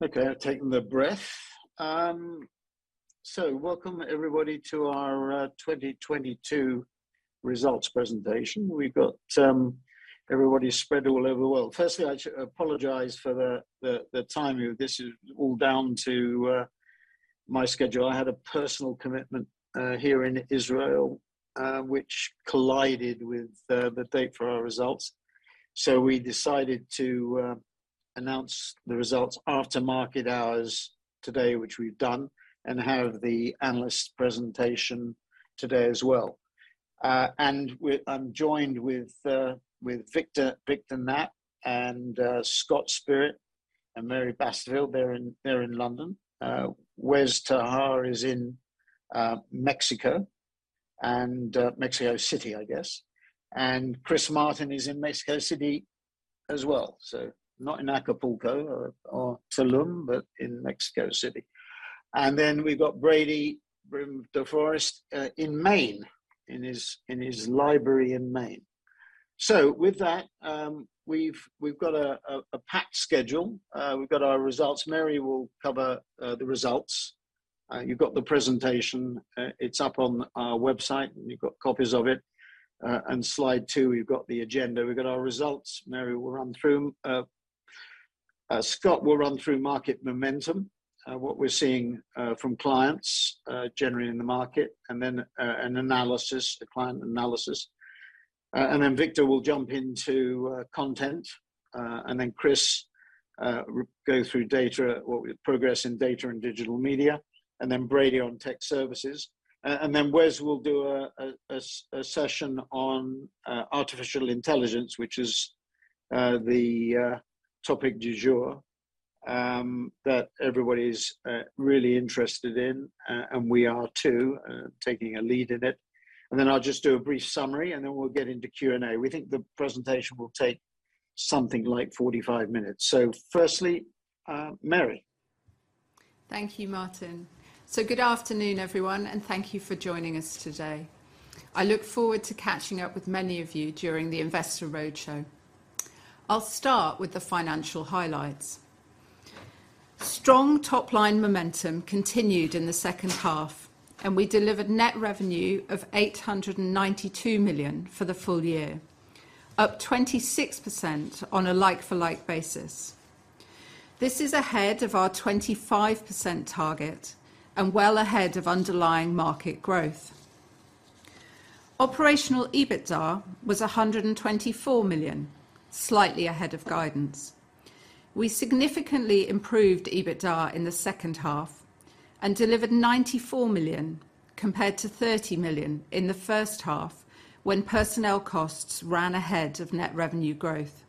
Okay, I've taken the breath. Welcome everybody to our 2022 results presentation. We've got everybody spread all over the world. Firstly, I apologize for the timing of this. It's all down to my schedule. I had a personal commitment here in Israel, which collided with the date for our results. We decided to announce the results after market hours today, which we've done, and have the analyst presentation today as well. I'm joined with Victor Knaap and Scott Spirit and Mary Basterfield. They're in London. Wes ter Haar is in Mexico and Mexico City, I guess. Chris Martin is in Mexico City as well. Not in Acapulco or Tulum, but in Mexico City. We've got Brady Brim-DeForest in Maine, in his library in Maine. With that, we've got a packed schedule. We've got our results. Mary will cover the results. You've got the presentation. It's up on our website, and you've got copies of it. Slide 2, we've got the agenda. We've got our results. Mary will run through. Scott will run through market momentum, what we're seeing from clients generally in the market, then an analysis, a client analysis. Then Victor will jump into content. Then Chris go through data or progress in data and digital media. Then Brady on tech services. Wes will do a session on artificial intelligence, which is the topic du jour that everybody's really interested in, and we are too, taking a lead in it. I'll just do a brief summary, and then we'll get into Q&A. We think the presentation will take something like 45 minutes. Firstly, Mary. Thank you, Martin. Good afternoon, everyone, and thank you for joining us today. I look forward to catching up with many of you during the Investor Roadshow. I'll start with the financial highlights. Strong top-line momentum continued in the second half, and we delivered net revenue of 892 million for the full year, up 26% on a like-for-like basis. This is ahead of our 25% target and well ahead of underlying market growth. Operational EBITDA was 124 million, slightly ahead of guidance. We significantly improved EBITDA in the second half and delivered 94 million compared to 30 million in the first half, when personnel costs ran ahead of net revenue growth.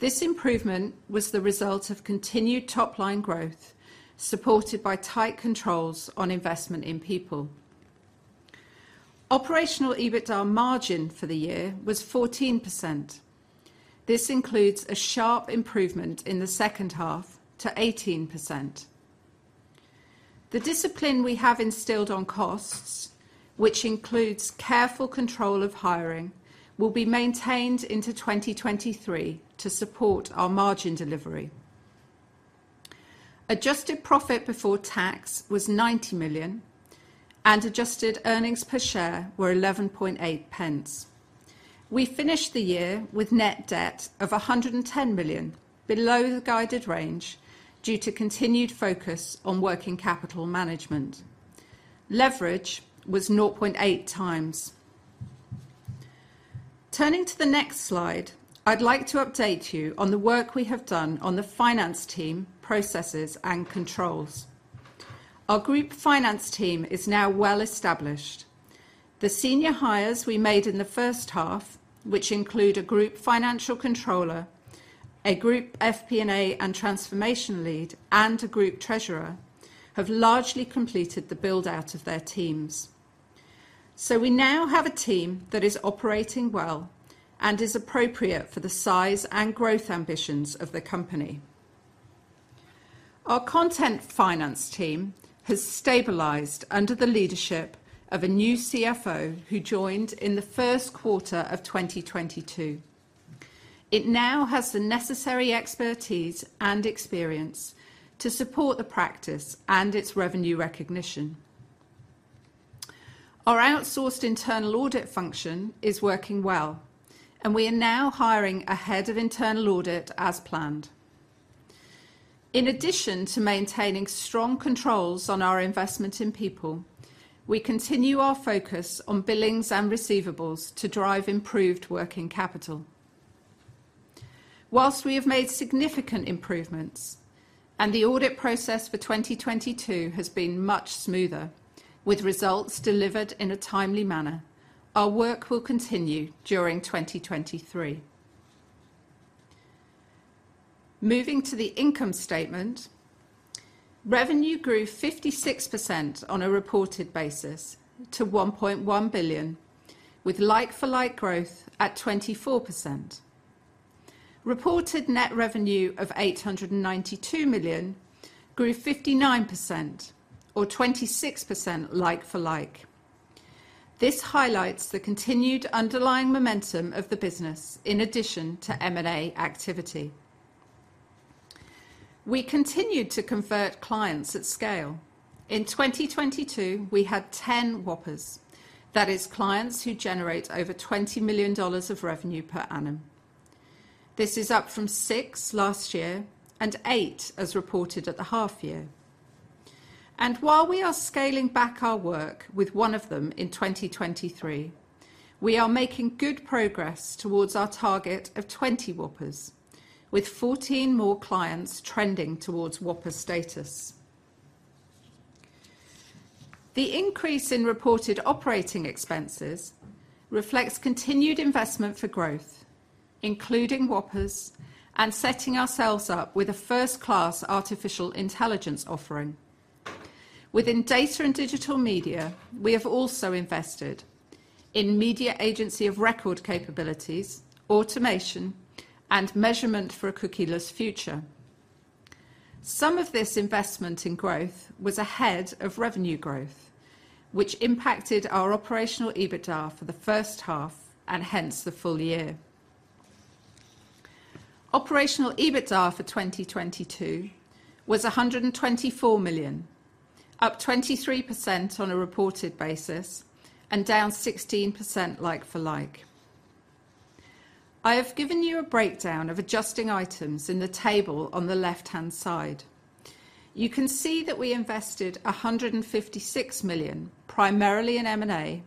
This improvement was the result of continued top-line growth, supported by tight controls on investment in people. Operational EBITDA margin for the year was 14%. This includes a sharp improvement in the second half to 18%. The discipline we have instilled on costs, which includes careful control of hiring, will be maintained into 2023 to support our margin delivery. Adjusted profit before tax was 90 million and adjusted earnings per share were 11.8 pence. We finished the year with net debt of 110 million, below the guided range due to continued focus on working capital management. Leverage was 0.8x. Turning to the next slide, I'd like to update you on the work we have done on the finance team, processes, and controls. Our group finance team is now well established. The senior hires we made in the first half, which include a group financial controller, a group FP&A and transformation lead, and a group treasurer, have largely completed the build-out of their teams. We now have a team that is operating well and is appropriate for the size and growth ambitions of the company. Our content finance team has stabilized under the leadership of a new CFO who joined in the first quarter of 2022. It now has the necessary expertise and experience to support the practice and its revenue recognition. Our outsourced internal audit function is working well, and we are now hiring a head of internal audit as planned. In addition to maintaining strong controls on our investment in people, we continue our focus on billings and receivables to drive improved working capital. While we have made significant improvements, and the audit process for 2022 has been much smoother, with results delivered in a timely manner, our work will continue during 2023. Moving to the income statement, revenue grew 56% on a reported basis to 1.1 billion, with like-for-like growth at 24%. Reported net revenue of 892 million grew 59% or 26% like-for-like. This highlights the continued underlying momentum of the business in addition to M&A activity. We continued to convert clients at scale. In 2022, we had 10 Whoppers. That is clients who generate over $20 million of revenue per annum. This is up from 6 last year and 8 as reported at the half year. While we are scaling back our work with one of them in 2023, we are making good progress towards our target of 20 Whoppers, with 14 more clients trending towards Whopper status. The increase in reported operating expenses reflects continued investment for growth, including Whoppers and setting ourselves up with a first-class artificial intelligence offering. Within data and digital media, we have also invested in media agency of record capabilities, automation, and measurement for a cookieless future. Some of this investment in growth was ahead of revenue growth, which impacted our Operational EBITDA for the first half and hence the full year. Operational EBITDA for 2022 was 124 million, up 23% on a reported basis and down 16% like for like. I have given you a breakdown of adjusting items in the table on the left-hand side. You can see that we invested 156 million primarily in M&A,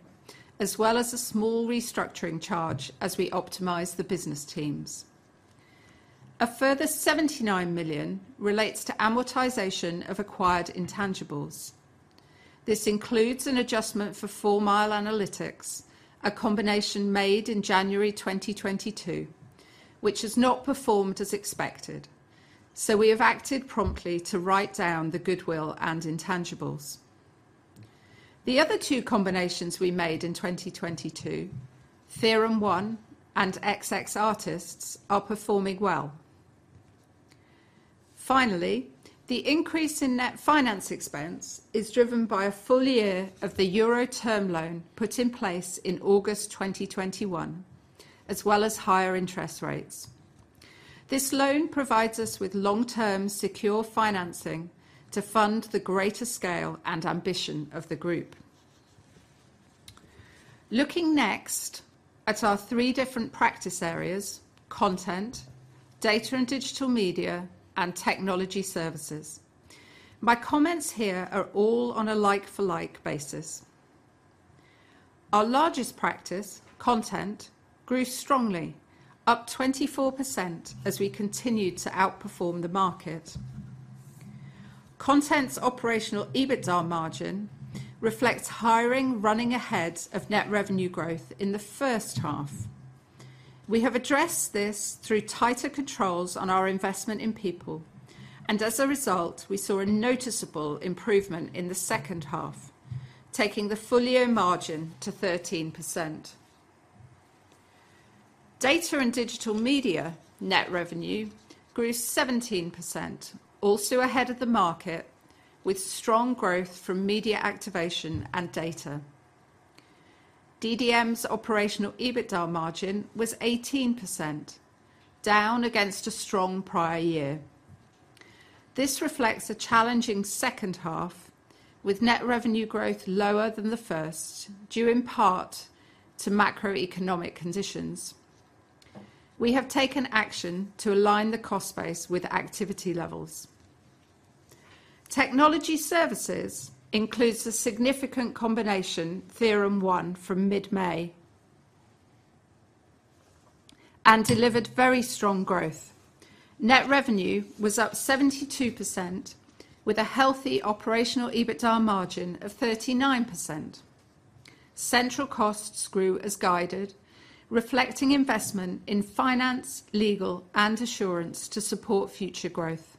as well as a small restructuring charge as we optimize the business teams. A further 79 million relates to amortization of acquired intangibles. This includes an adjustment for 4Mile Analytics, a combination made in January 2022, which has not performed as expected. We have acted promptly to write down the goodwill and intangibles. The other two combinations we made in 2022, TheoremOne and XX Artists, are performing well. Finally, the increase in net finance expense is driven by a full year of the euro term loan put in place in August 2021, as well as higher interest rates. This loan provides us with long-term secure financing to fund the greater scale and ambition of the group. Looking next at our three different practice areas: content, data and digital media, and technology services. My comments here are all on a like-for-like basis. Our largest practice, content, grew strongly, up 24% as we continued to outperform the market. Content's operational EBITDA margin reflects hiring running ahead of net revenue growth in the first half. We have addressed this through tighter controls on our investment in people. As a result, we saw a noticeable improvement in the second half, taking the full year margin to 13%. Data and digital media net revenue grew 17%, also ahead of the market with strong growth from media activation and data. DDM's operational EBITDA margin was 18%, down against a strong prior year. This reflects a challenging second half with net revenue growth lower than the first, due in part to macroeconomic conditions. We have taken action to align the cost base with activity levels. Technology Services includes the significant combination TheoremOne from mid-May and delivered very strong growth. Net revenue was up 72% with a healthy operational EBITDA margin of 39%. Central costs grew as guided, reflecting investment in finance, legal, and assurance to support future growth.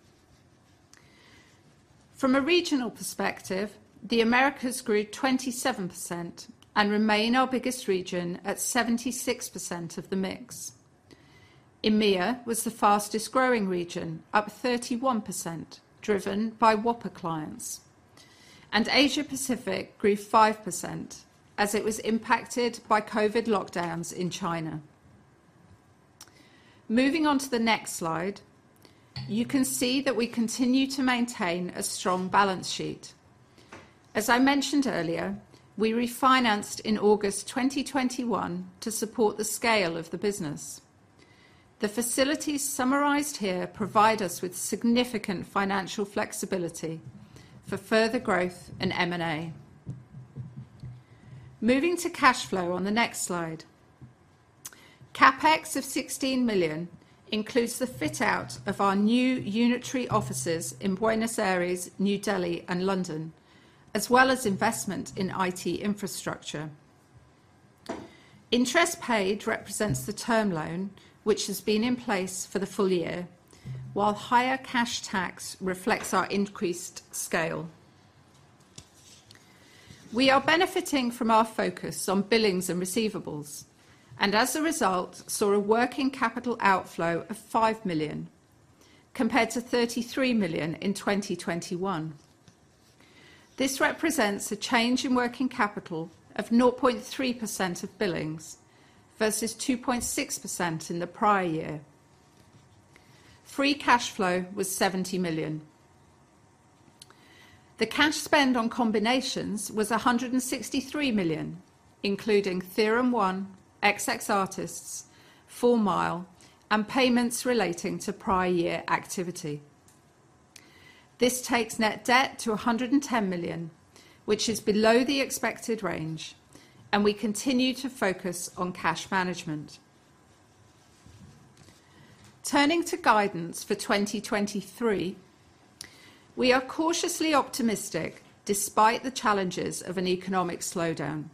From a regional perspective, the Americas grew 27% and remain our biggest region at 76% of the mix. EMEA was the fastest-growing region, up 31%, driven by Whopper clients. Asia Pacific grew 5% as it was impacted by COVID lockdowns in China. Moving on to the next slide, you can see that we continue to maintain a strong balance sheet. As I mentioned earlier, we refinanced in August 2021 to support the scale of the business. The facilities summarized here provide us with significant financial flexibility for further growth in M&A. Moving to cash flow on the next slide. CapEx of 16 million includes the fit out of our new unitary offices in Buenos Aires, New Delhi, and London, as well as investment in IT infrastructure. Interest paid represents the term loan, which has been in place for the full year, while higher cash tax reflects our increased scale. We are benefiting from our focus on billings and receivables, as a result, saw a working capital outflow of 5 million. Compared to 33 million in 2021. This represents a change in working capital of 0.3% of billings, versus 2.6% in the prior year. Free cash flow was 70 million. The cash spend on combinations was 163 million, including TheoremOne, XX Artists, 4Mile, and payments relating to prior year activity. This takes net debt to 110 million, which is below the expected range, we continue to focus on cash management. Turning to guidance for 2023, we are cautiously optimistic despite the challenges of an economic slowdown,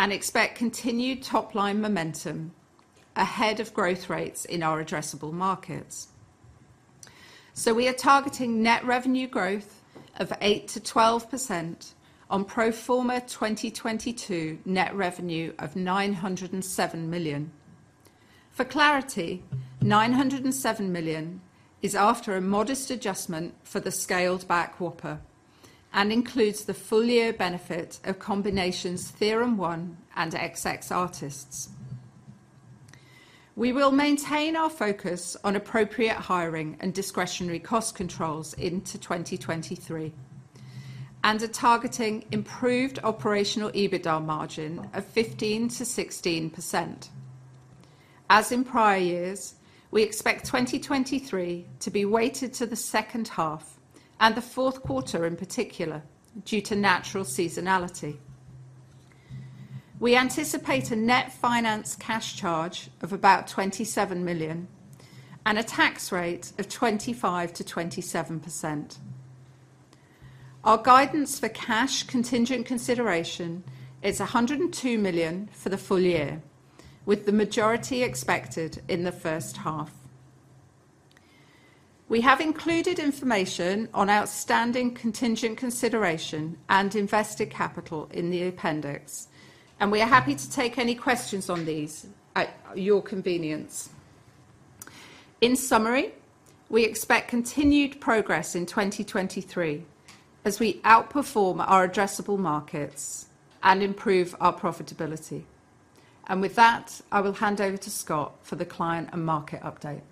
expect continued top-line momentum ahead of growth rates in our addressable markets. We are targeting net revenue growth of 8%-12% on pro forma 2022 net revenue of 907 million. For clarity, 907 million is after a modest adjustment for the scaled-back Whopper and includes the full year benefit of combinations TheoremOne and XX Artists. We will maintain our focus on appropriate hiring and discretionary cost controls into 2023, are targeting improved Operational EBITDA margin of 15%-16%. As in prior years, we expect 2023 to be weighted to the second half and the fourth quarter in particular, due to natural seasonality. We anticipate a net finance cash charge of about 27 million and a tax rate of 25%-27%. Our guidance for cash contingent consideration is 102 million for the full year, with the majority expected in the first half. We have included information on outstanding contingent consideration and invested capital in the appendix, and we are happy to take any questions on these at your convenience. In summary, we expect continued progress in 2023 as we outperform our addressable markets and improve our profitability. With that, I will hand over to Scott for the client and market update.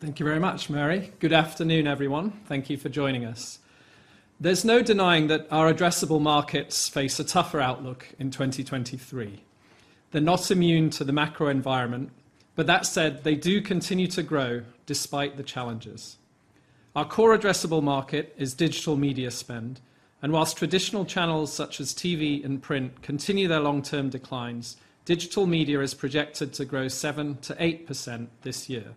Thank you very much, Mary. Good afternoon, everyone. Thank you for joining us. There's no denying that our addressable markets face a tougher outlook in 2023. They're not immune to the macro environment, but that said, they do continue to grow despite the challenges. Our core addressable market is digital media spend, and whilst traditional channels such as TV and print continue their long-term declines, digital media is projected to grow 7%-8% this year.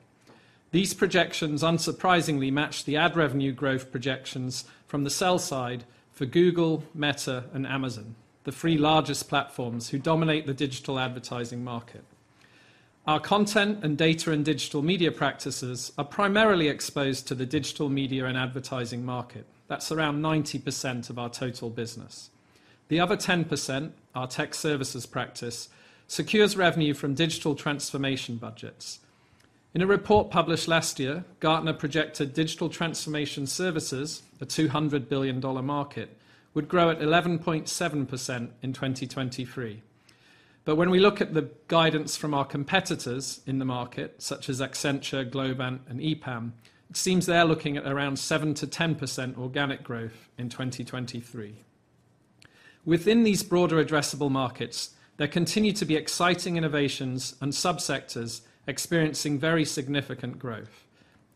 These projections, unsurprisingly, match the ad revenue growth projections from the sell side for Google, Meta, and Amazon, the three largest platforms who dominate the digital advertising market. Our content and data and digital media practices are primarily exposed to the digital media and advertising market. That's around 90% of our total business. The other 10%, our tech services practice, secures revenue from digital transformation budgets. In a report published last year, Gartner projected digital transformation services, a $200 billion market, would grow at 11.7% in 2023. When we look at the guidance from our competitors in the market, such as Accenture, Globant, and EPAM, it seems they're looking at around 7%-10% organic growth in 2023. Within these broader addressable markets, there continue to be exciting innovations and sub-sectors experiencing very significant growth.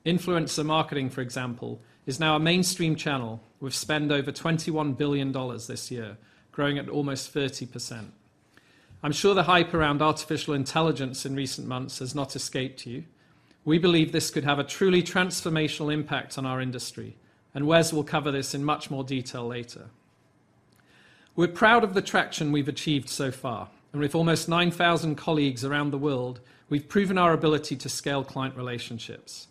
Influencer marketing, for example, is now a mainstream channel with spend over $21 billion this year, growing at almost 30%. I'm sure the hype around artificial intelligence in recent months has not escaped you. We believe this could have a truly transformational impact on our industry, Wes will cover this in much more detail later. We're proud of the traction we've achieved so far, and with almost 9,000 colleagues around the world, we've proven our ability to scale client relationships.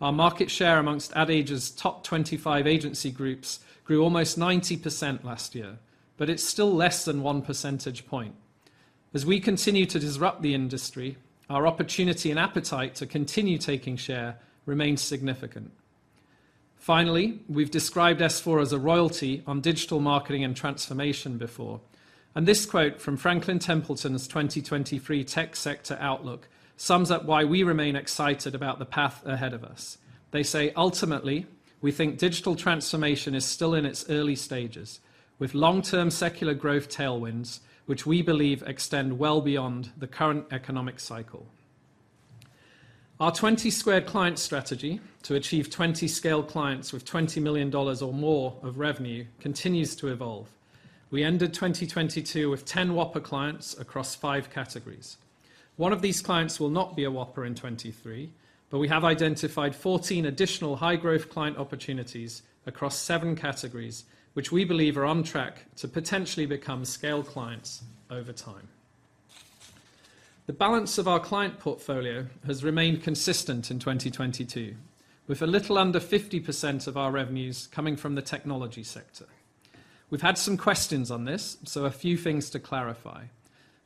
Our market share amongst Ad Age's top 25 agency groups grew almost 90% last year, but it's still less than 1 percentage point. As we continue to disrupt the industry, our opportunity and appetite to continue taking share remains significant. Finally, we've described S4 as a royalty on digital marketing and transformation before. This quote from Franklin Templeton's 2023 tech sector outlook sums up why we remain excited about the path ahead of us. They say, "Ultimately, we think digital transformation is still in its early stages, with long-term secular growth tailwinds, which we believe extend well beyond the current economic cycle." Our 20 squared client strategy to achieve 20 scale clients with $20 million or more of revenue continues to evolve. We ended 2022 with 10 Whopper clients across 5 categories. One of these clients will not be a Whopper in 2023. We have identified 14 additional high-growth client opportunities across 7 categories, which we believe are on track to potentially become scale clients over time. The balance of our client portfolio has remained consistent in 2022, with a little under 50% of our revenues coming from the technology sector. We've had some questions on this, a few things to clarify.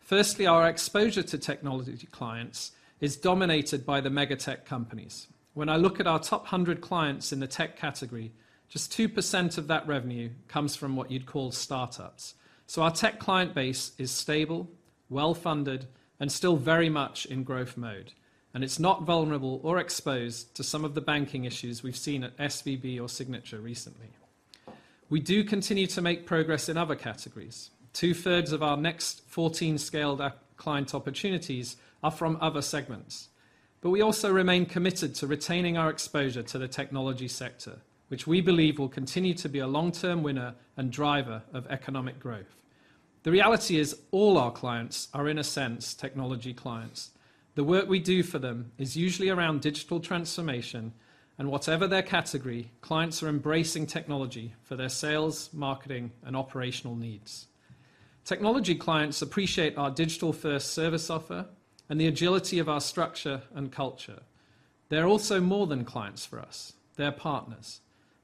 Firstly, our exposure to technology clients is dominated by the mega tech companies. When I look at our top 100 clients in the tech category, just 2% of that revenue comes from what you'd call startups. Our tech client base is stable, well-funded, and still very much in growth mode, and it's not vulnerable or exposed to some of the banking issues we've seen at SVB or Signature recently. We do continue to make progress in other categories. Two-thirds of our next 14 scaled client opportunities are from other segments. We also remain committed to retaining our exposure to the technology sector, which we believe will continue to be a long-term winner and driver of economic growth. The reality is all our clients are, in a sense, technology clients. The work we do for them is usually around digital transformation, and whatever their category, clients are embracing technology for their sales, marketing, and operational needs. Technology clients appreciate our digital-first service offer and the agility of our structure and culture. They're also more than clients for us. They're partners.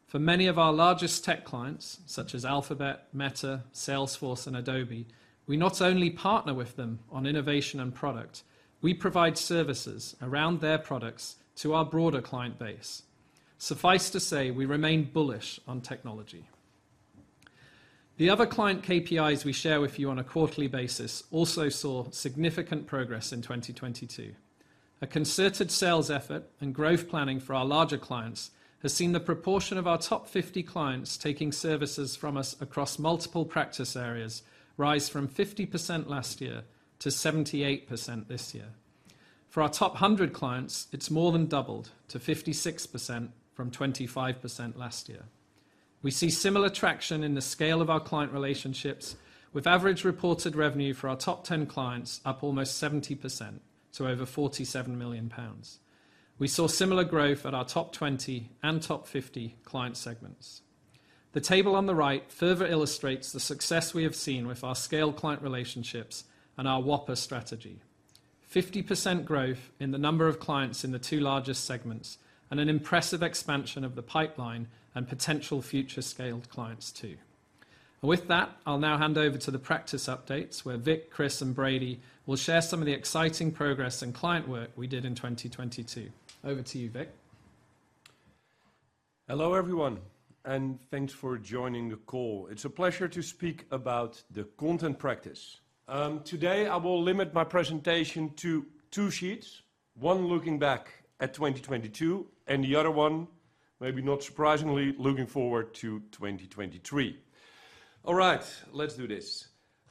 For many of our largest tech clients, such as Alphabet, Meta, Salesforce, and Adobe, we not only partner with them on innovation and product, we provide services around their products to our broader client base. Suffice to say, we remain bullish on technology. The other client KPIs we share with you on a quarterly basis also saw significant progress in 2022. A concerted sales effort and growth planning for our larger clients has seen the proportion of our top 50 clients taking services from us across multiple practice areas rise from 50% last year to 78% this year. For our top 100 clients, it's more than doubled to 56% from 25% last year. We see similar traction in the scale of our client relationships with average reported revenue for our top 10 clients up almost 70% to over 47 million pounds. We saw similar growth at our top 20 and top 50 client segments. The table on the right further illustrates the success we have seen with our scale client relationships and our Whopper strategy. 50% growth in the number of clients in the two largest segments, an impressive expansion of the pipeline and potential future scaled clients too. With that, I'll now hand over to the practice updates where Vic, Chris, and Brady will share some of the exciting progress and client work we did in 2022. Over to you, Vic. Hello, everyone, and thanks for joining the call. It's a pleasure to speak about the content practice. Today I will limit my presentation to two sheets, one looking back at 2022 and the other one, maybe not surprisingly, looking forward to 2023. All right. Let's do this.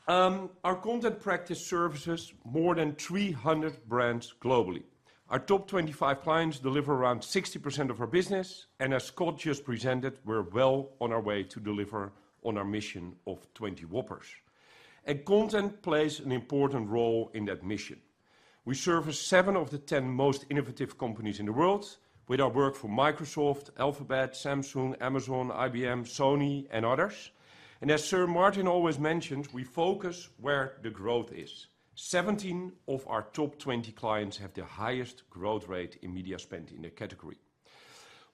Our content practice services more than 300 brands globally. Our top 25 clients deliver around 60% of our business, as Scott just presented, we're well on our way to deliver on our mission of 20 Whoppers. A content plays an important role in that mission. We service seven of the 10 most innovative companies in the world with our work for Microsoft, Alphabet, Samsung, Amazon, IBM, Sony, and others. As Sir Martin always mentions, we focus where the growth is. 17 of our top 20 clients have the highest growth rate in media spend in their category.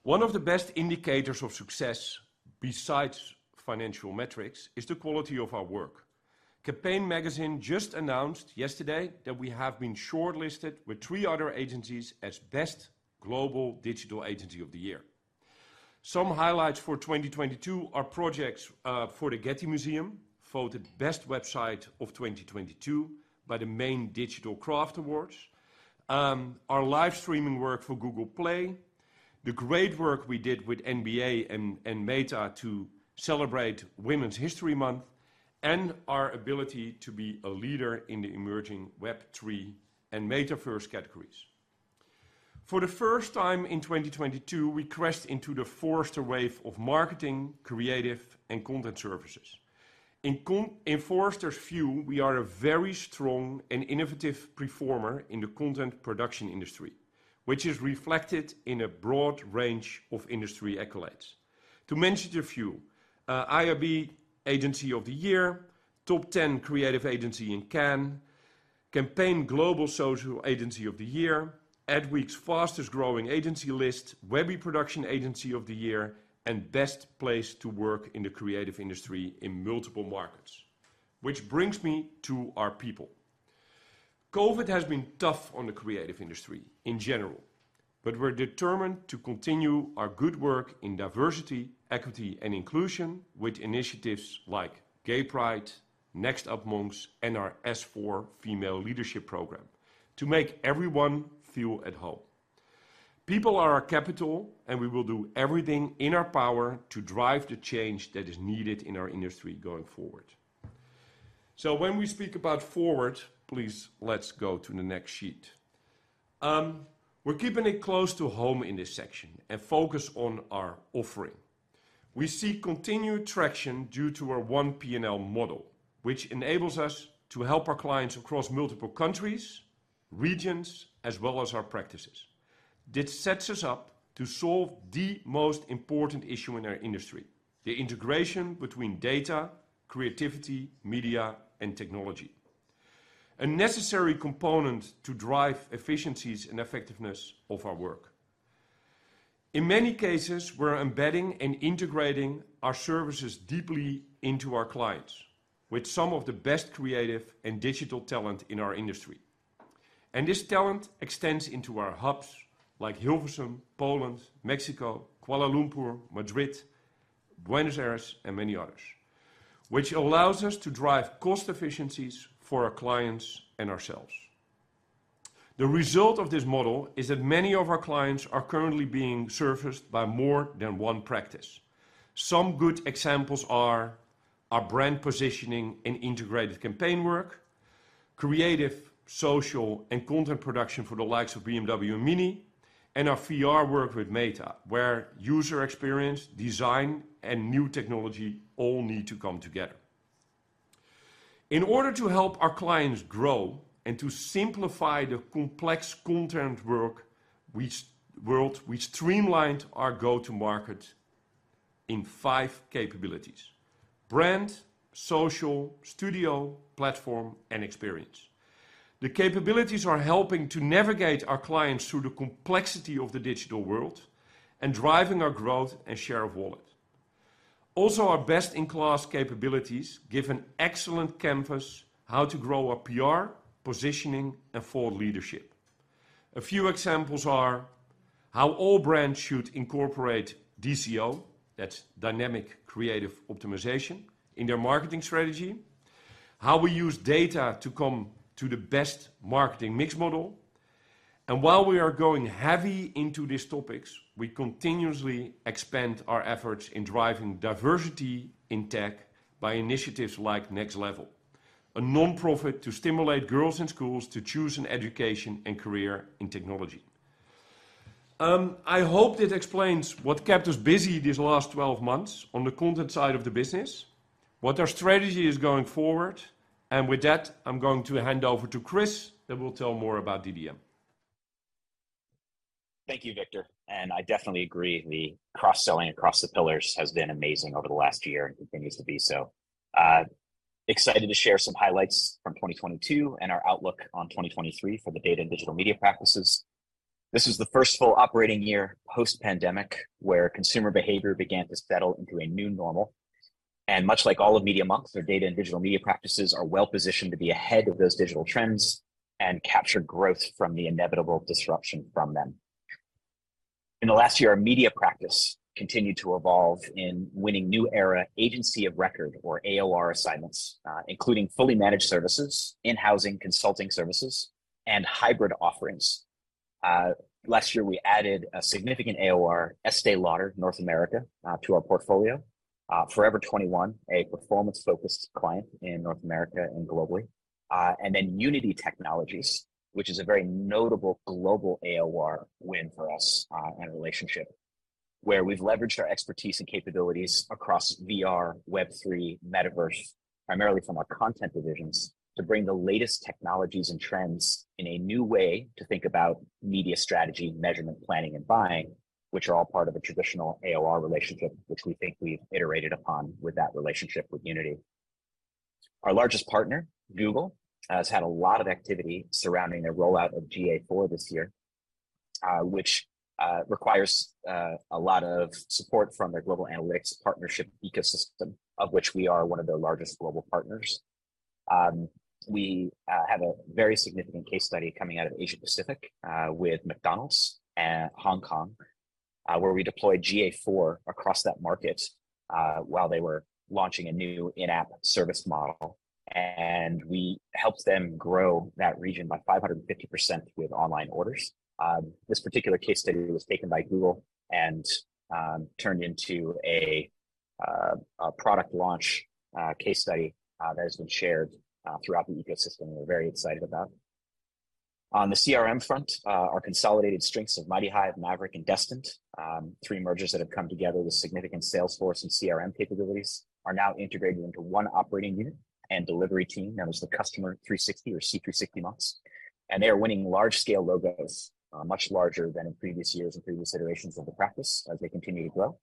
One of the best indicators of success, besides financial metrics, is the quality of our work. Campaign just announced yesterday that we have been shortlisted with three other agencies as best global digital agency of the year. Some highlights for 2022 are projects for the Getty Museum, voted best website of 2022 by the main Digital Craft Lions, our live streaming work for Google Play, the great work we did with NBA and Meta to celebrate Women's History Month, and our ability to be a leader in the emerging Web3 and meta-first categories. For the first time in 2022, we crest into the Forrester Wave of marketing, creative, and content services. In Forrester's view, we are a very strong and innovative performer in the content production industry, which is reflected in a broad range of industry accolades. To mention a few, IRB Agency of the Year, top 10 creative agency in Cannes, Campaign Global Social Agency of the Year, Adweek's fastest-growing agency list, Webby Production Agency of the Year, and best place to work in the creative industry in multiple markets. Which brings me to our people. COVID has been tough on the creative industry in general, but we're determined to continue our good work in diversity, equity, and inclusion with initiatives like Gay Pride, Next Up Monks, and our S4 Female Leadership Program to make everyone feel at home. People are our capital, and we will do everything in our power to drive the change that is needed in our industry going forward. When we speak about forward, please let's go to the next sheet. We're keeping it close to home in this section and focus on our offering. We see continued traction due to our 1 P&L model, which enables us to help our clients across multiple countries, regions, as well as our practices. This sets us up to solve the most important issue in our industry, the integration between data, creativity, media, and technology. A necessary component to drive efficiencies and effectiveness of our work. In many cases, we're embedding and integrating our services deeply into our clients with some of the best creative and digital talent in our industry. This talent extends into our hubs like Hilversum, Poland, Mexico, Kuala Lumpur, Madrid, Buenos Aires, and many others, which allows us to drive cost efficiencies for our clients and ourselves. The result of this model is that many of our clients are currently being serviced by more than one practice. Some good examples are our brand positioning and integrated campaign work, creative, social, and content production for the likes of BMW and MINI, and our VR work with Meta, where user experience, design, and new technology all need to come together. In order to help our clients grow and to simplify the complex content world, we streamlined our go-to-market in five capabilities: brand, social, studio, platform, and experience. The capabilities are helping to navigate our clients through the complexity of the digital world and driving our growth and share of wallet. Also, our best-in-class capabilities give an excellent canvas how to grow our PR, positioning, and thought leadership. A few examples are how all brands should incorporate DCO, that's dynamic creative optimization, in their marketing strategy, how we use data to come to the best marketing mix model. While we are going heavy into these topics, we continuously expand our efforts in driving diversity in tech by initiatives like Next Level, a nonprofit to stimulate girls in schools to choose an education and career in technology. I hope this explains what kept us busy these last 12 months on the content side of the business, what our strategy is going forward, and with that, I'm going to hand over to Chris, that will tell more about DDM. Thank you, Victor. I definitely agree, the cross-selling across the pillars has been amazing over the last year and continues to be so. Excited to share some highlights from 2022 and our outlook on 2023 for the data and digital media practices. This was the first full operating year post-pandemic where consumer behavior began to settle into a new normal. Much like all of Media.Monks, their data and digital media practices are well-positioned to be ahead of those digital trends and capture growth from the inevitable disruption from them. In the last year, our media practice continued to evolve in winning new era agency of record or AOR assignments, including fully managed services, in-housing consulting services, and hybrid offerings. Last year, we added a significant AOR, Estée Lauder North America, to our portfolio. Forever 21, a performance-focused client in North America and globally. Unity Technologies, which is a very notable global AOR win for us, and a relationship where we've leveraged our expertise and capabilities across VR, Web3, Metaverse, primarily from our content divisions, to bring the latest technologies and trends in a new way to think about media strategy, measurement, planning, and buying, which are all part of a traditional AOR relationship, which we think we've iterated upon with that relationship with Unity. Our largest partner, Google, has had a lot of activity surrounding their rollout of GA4 this year, which requires a lot of support from their global analytics partnership ecosystem, of which we are one of their largest global partners. We have a very significant case study coming out of Asia-Pacific with McDonald's Hong Kong, where we deployed GA4 across that market while they were launching a new in-app service model, and we helped them grow that region by 550% with online orders. This particular case study was taken by Google and turned into a product launch case study that has been shared throughout the ecosystem, and we're very excited about it. On the CRM front, our consolidated strengths of MightyHive, Maverick, and Destined, three mergers that have come together with significant Salesforce and CRM capabilities, are now integrated into one operating unit and delivery team, known as the Customer 360 or C360.Monks. They are winning large-scale logos, much larger than in previous years and previous iterations of the practice as they continue to grow.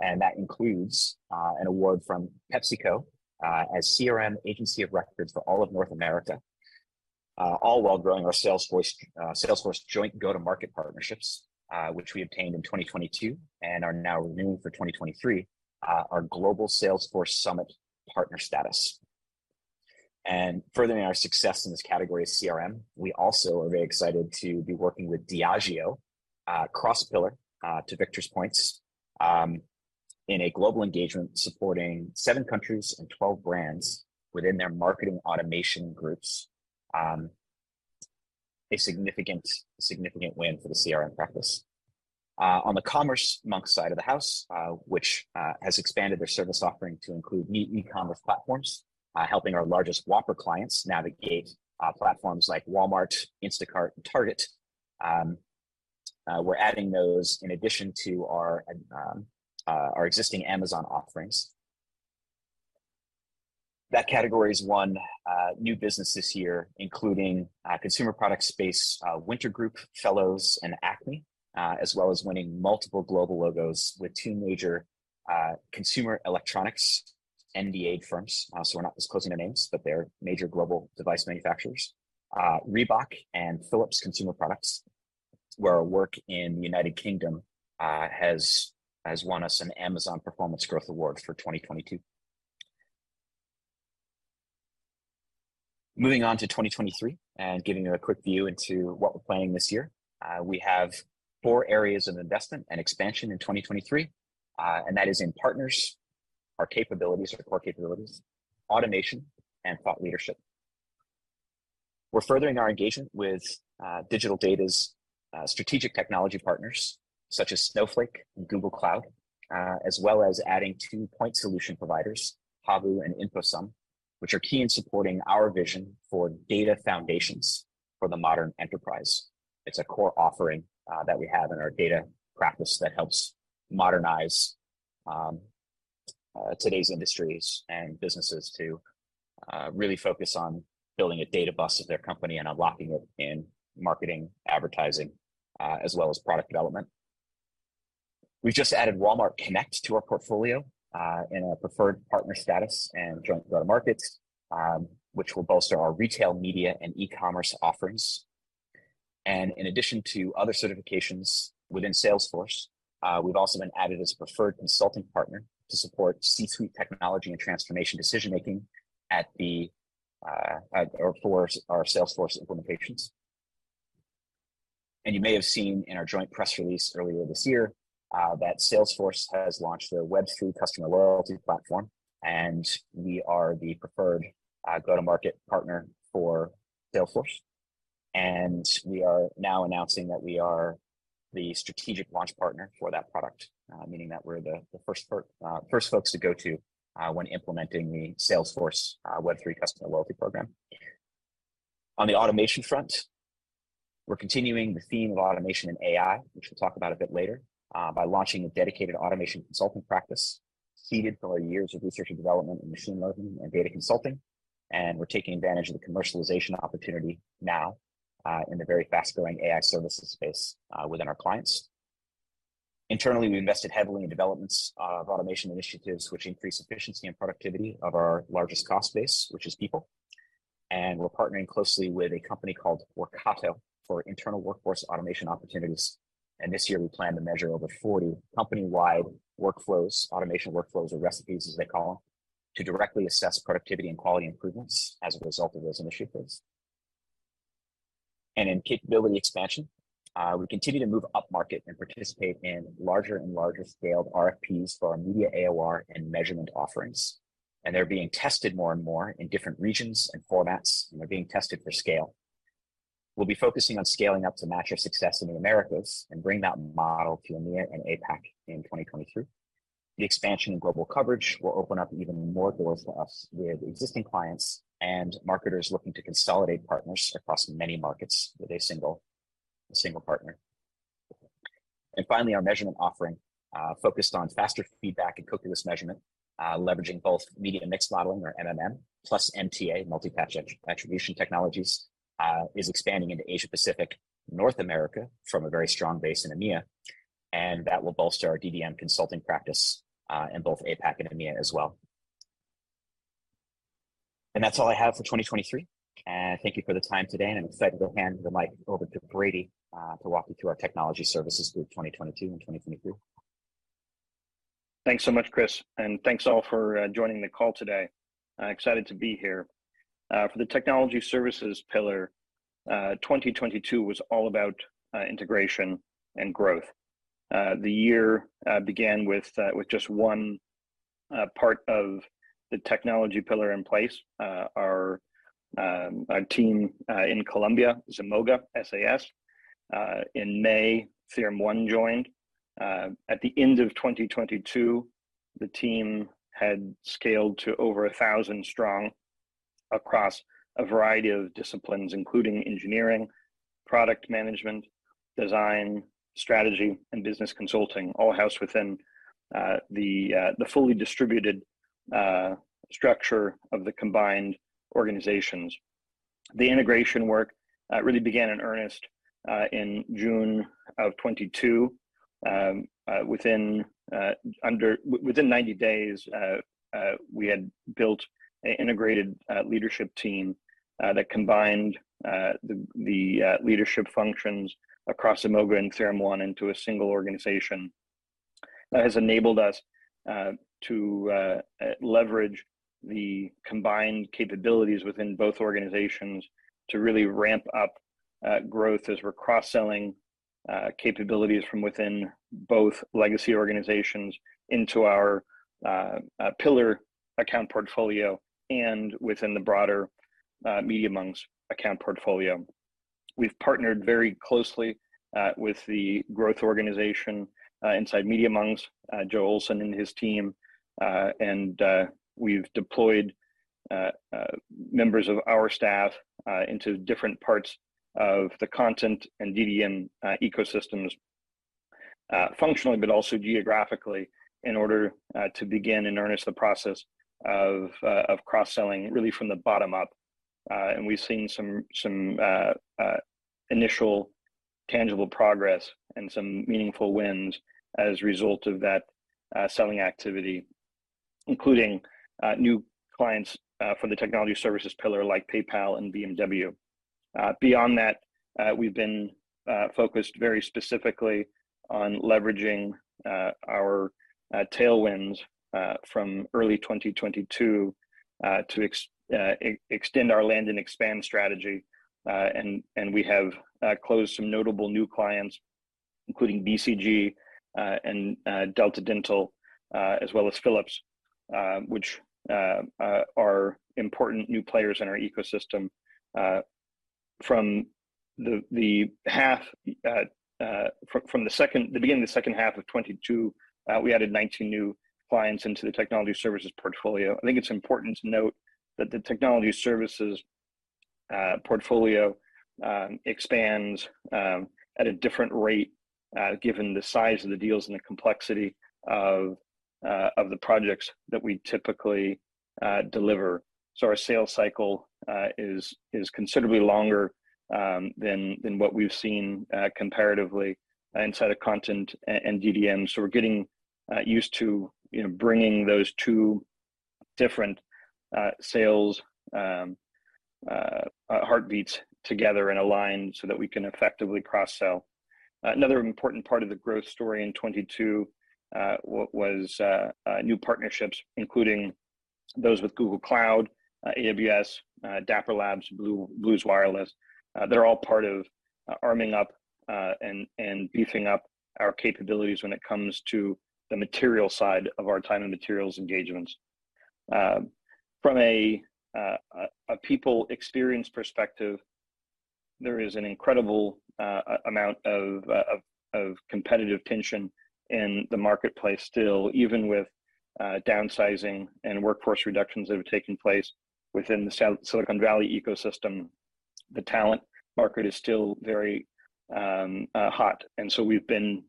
That includes an award from PepsiCo as CRM agency of records for all of North America, all while growing our Salesforce joint go-to-market partnerships, which we obtained in 2022 and are now renewed for 2023, our Global Salesforce Summit Partner status. Furthering our success in this category of CRM, we also are very excited to be working with Diageo, cross-pillar, to Victor's points, in a global engagement supporting 7 countries and 12 brands within their marketing automation groups, a significant win for the CRM practice. On the Commerce.Monks side of the house, which has expanded their service offering to include meet e-commerce platforms, helping our largest Whoppers navigate platforms like Walmart, Instacart, and Target. We're adding those in addition to our existing Amazon offerings. That category has won new business this year, including consumer product space, Winter Group, S4Capital Fellows, and Acme, as well as winning multiple global logos with 2 major consumer electronicsNDA'd firms, so we're not disclosing their names, but they're major global device manufacturers, Reebok and Philips Consumer Products, where our work in United Kingdom has won us an Amazon Performance Growth Award for 2022. Moving on to 2023 and giving you a quick view into what we're planning this year. We have 4 areas of investment and expansion in 2023, and that is in partners, our capabilities, our core capabilities, automation, and thought leadership. We're furthering our engagement with digital data's strategic technology partners such as Snowflake and Google Cloud, as well as adding 2 point solution providers, Habu and InfoSum, which are key in supporting our vision for data foundations for the modern enterprise. It's a core offering that we have in our data practice that helps modernize today's industries and businesses to really focus on building a data bus of their company and unlocking it in marketing, advertising, as well as product development. We've just added Walmart Connect to our portfolio in our preferred partner status and joint go-to-markets, which will bolster our retail media and e-commerce offerings. In addition to other certifications within Salesforce, we've also been added as preferred consulting partner to support C-suite technology and transformation decision-making at or for our Salesforce implementations. You may have seen in our joint press release earlier this year, that Salesforce has launched their Web3 customer loyalty platform, we are the preferred go-to-market partner for Salesforce. We are now announcing that we are the strategic launch partner for that product, meaning that we're the first folks to go to, when implementing the Salesforce Web3 customer loyalty program. On the automation front, we're continuing the theme of automation and AI, which we'll talk about a bit later, by launching a dedicated automation consulting practice seeded from our years of research and development in machine learning and data consulting, and we're taking advantage of the commercialization opportunity now, in the very fast-growing AI services space, within our clients. Internally, we invested heavily in developments of automation initiatives which increase efficiency and productivity of our largest cost base, which is people. And we're partnering closely with a company called Workato for internal workforce automation opportunities, and this year we plan to measure over 40 company-wide workflows, automation workflows or recipes, as they call them, to directly assess productivity and quality improvements as a result of those initiatives. In capability expansion, we continue to move upmarket and participate in larger and larger scaled RFPs for our media AOR and measurement offerings, and they're being tested more and more in different regions and formats, and they're being tested for scale. We'll be focusing on scaling up to match our success in the Americas and bring that model to EMEA and APAC in 2023. The expansion in global coverage will open up even more doors for us with existing clients and marketers looking to consolidate partners across many markets with a single partner. Finally, our measurement offering focused on faster feedback and cookieless measurement, leveraging both Media Mix Modeling or MMM plus MTA, Multi-Touch Attribution technologies, is expanding into Asia-Pacific, North America from a very strong base in EMEA, and that will bolster our DDM consulting practice in both APAC and EMEA as well. That's all I have for 2023. Thank you for the time today, and I'm excited to hand the mic over to Brady to walk you through our technology services through 2022 and 2023. Thanks so much, Chris, thanks all for joining the call today. I'm excited to be here. For the technology services pillar, 2022 was all about integration and growth. The year began with just one part of the technology pillar in place. Our team in Colombia, Zemoga SAS. In May, TheoremOne joined. At the end of 2022, the team had scaled to over 1,000 strong across a variety of disciplines, including engineering, product management, design, strategy, and business consulting, all housed within the fully distributed structure of the combined organizations. The integration work really began in earnest in June of 2022. Within 90 days, we had built an integrated leadership team that combined the leadership functions across Zemoga and TheoremOne into a single organization that has enabled us to leverage the combined capabilities within both organizations to really ramp up growth as we're cross-selling capabilities from within both legacy organizations into our pillar account portfolio and within the broader Media.Monks account portfolio. We've partnered very closely with the growth organization inside Media.Monks, Joe Olsen and his team, and we've deployed members of our staff into different parts of the Content and DDM ecosystems functionally, but also geographically in order to begin in earnest the process of cross-selling really from the bottom up. We've seen some initial tangible progress and some meaningful wins as a result of that selling activity, including new clients from the technology services pillar like PayPal and BMW. Beyond that, we've been focused very specifically on leveraging our tailwinds from early 2022 to extend our land and expand strategy. We have closed some notable new clients, including BCG, and Delta Dental, as well as Philips, which are important new players in our ecosystem. From the half, the beginning of the second half of 2022, we added 19 new clients into the technology services portfolio. I think it's important to note that the technology services portfolio expands at a different rate given the size of the deals and the complexity of the projects that we typically deliver. Our sales cycle is considerably longer than what we've seen comparatively inside of content and DDM. We're getting used to, you know, bringing those two different sales heartbeats together and aligned so that we can effectively cross-sell. Another important part of the growth story in 22 was new partnerships, including those with Google Cloud, AWS, Dapper Labs, Blues Wireless. They're all part of arming up and beefing up our capabilities when it comes to the material side of our time and materials engagements. From a people experience perspective, there is an incredible amount of competitive tension in the marketplace still. Even with downsizing and workforce reductions that have taken place within the Silicon Valley ecosystem, the talent market is still very hot. We've been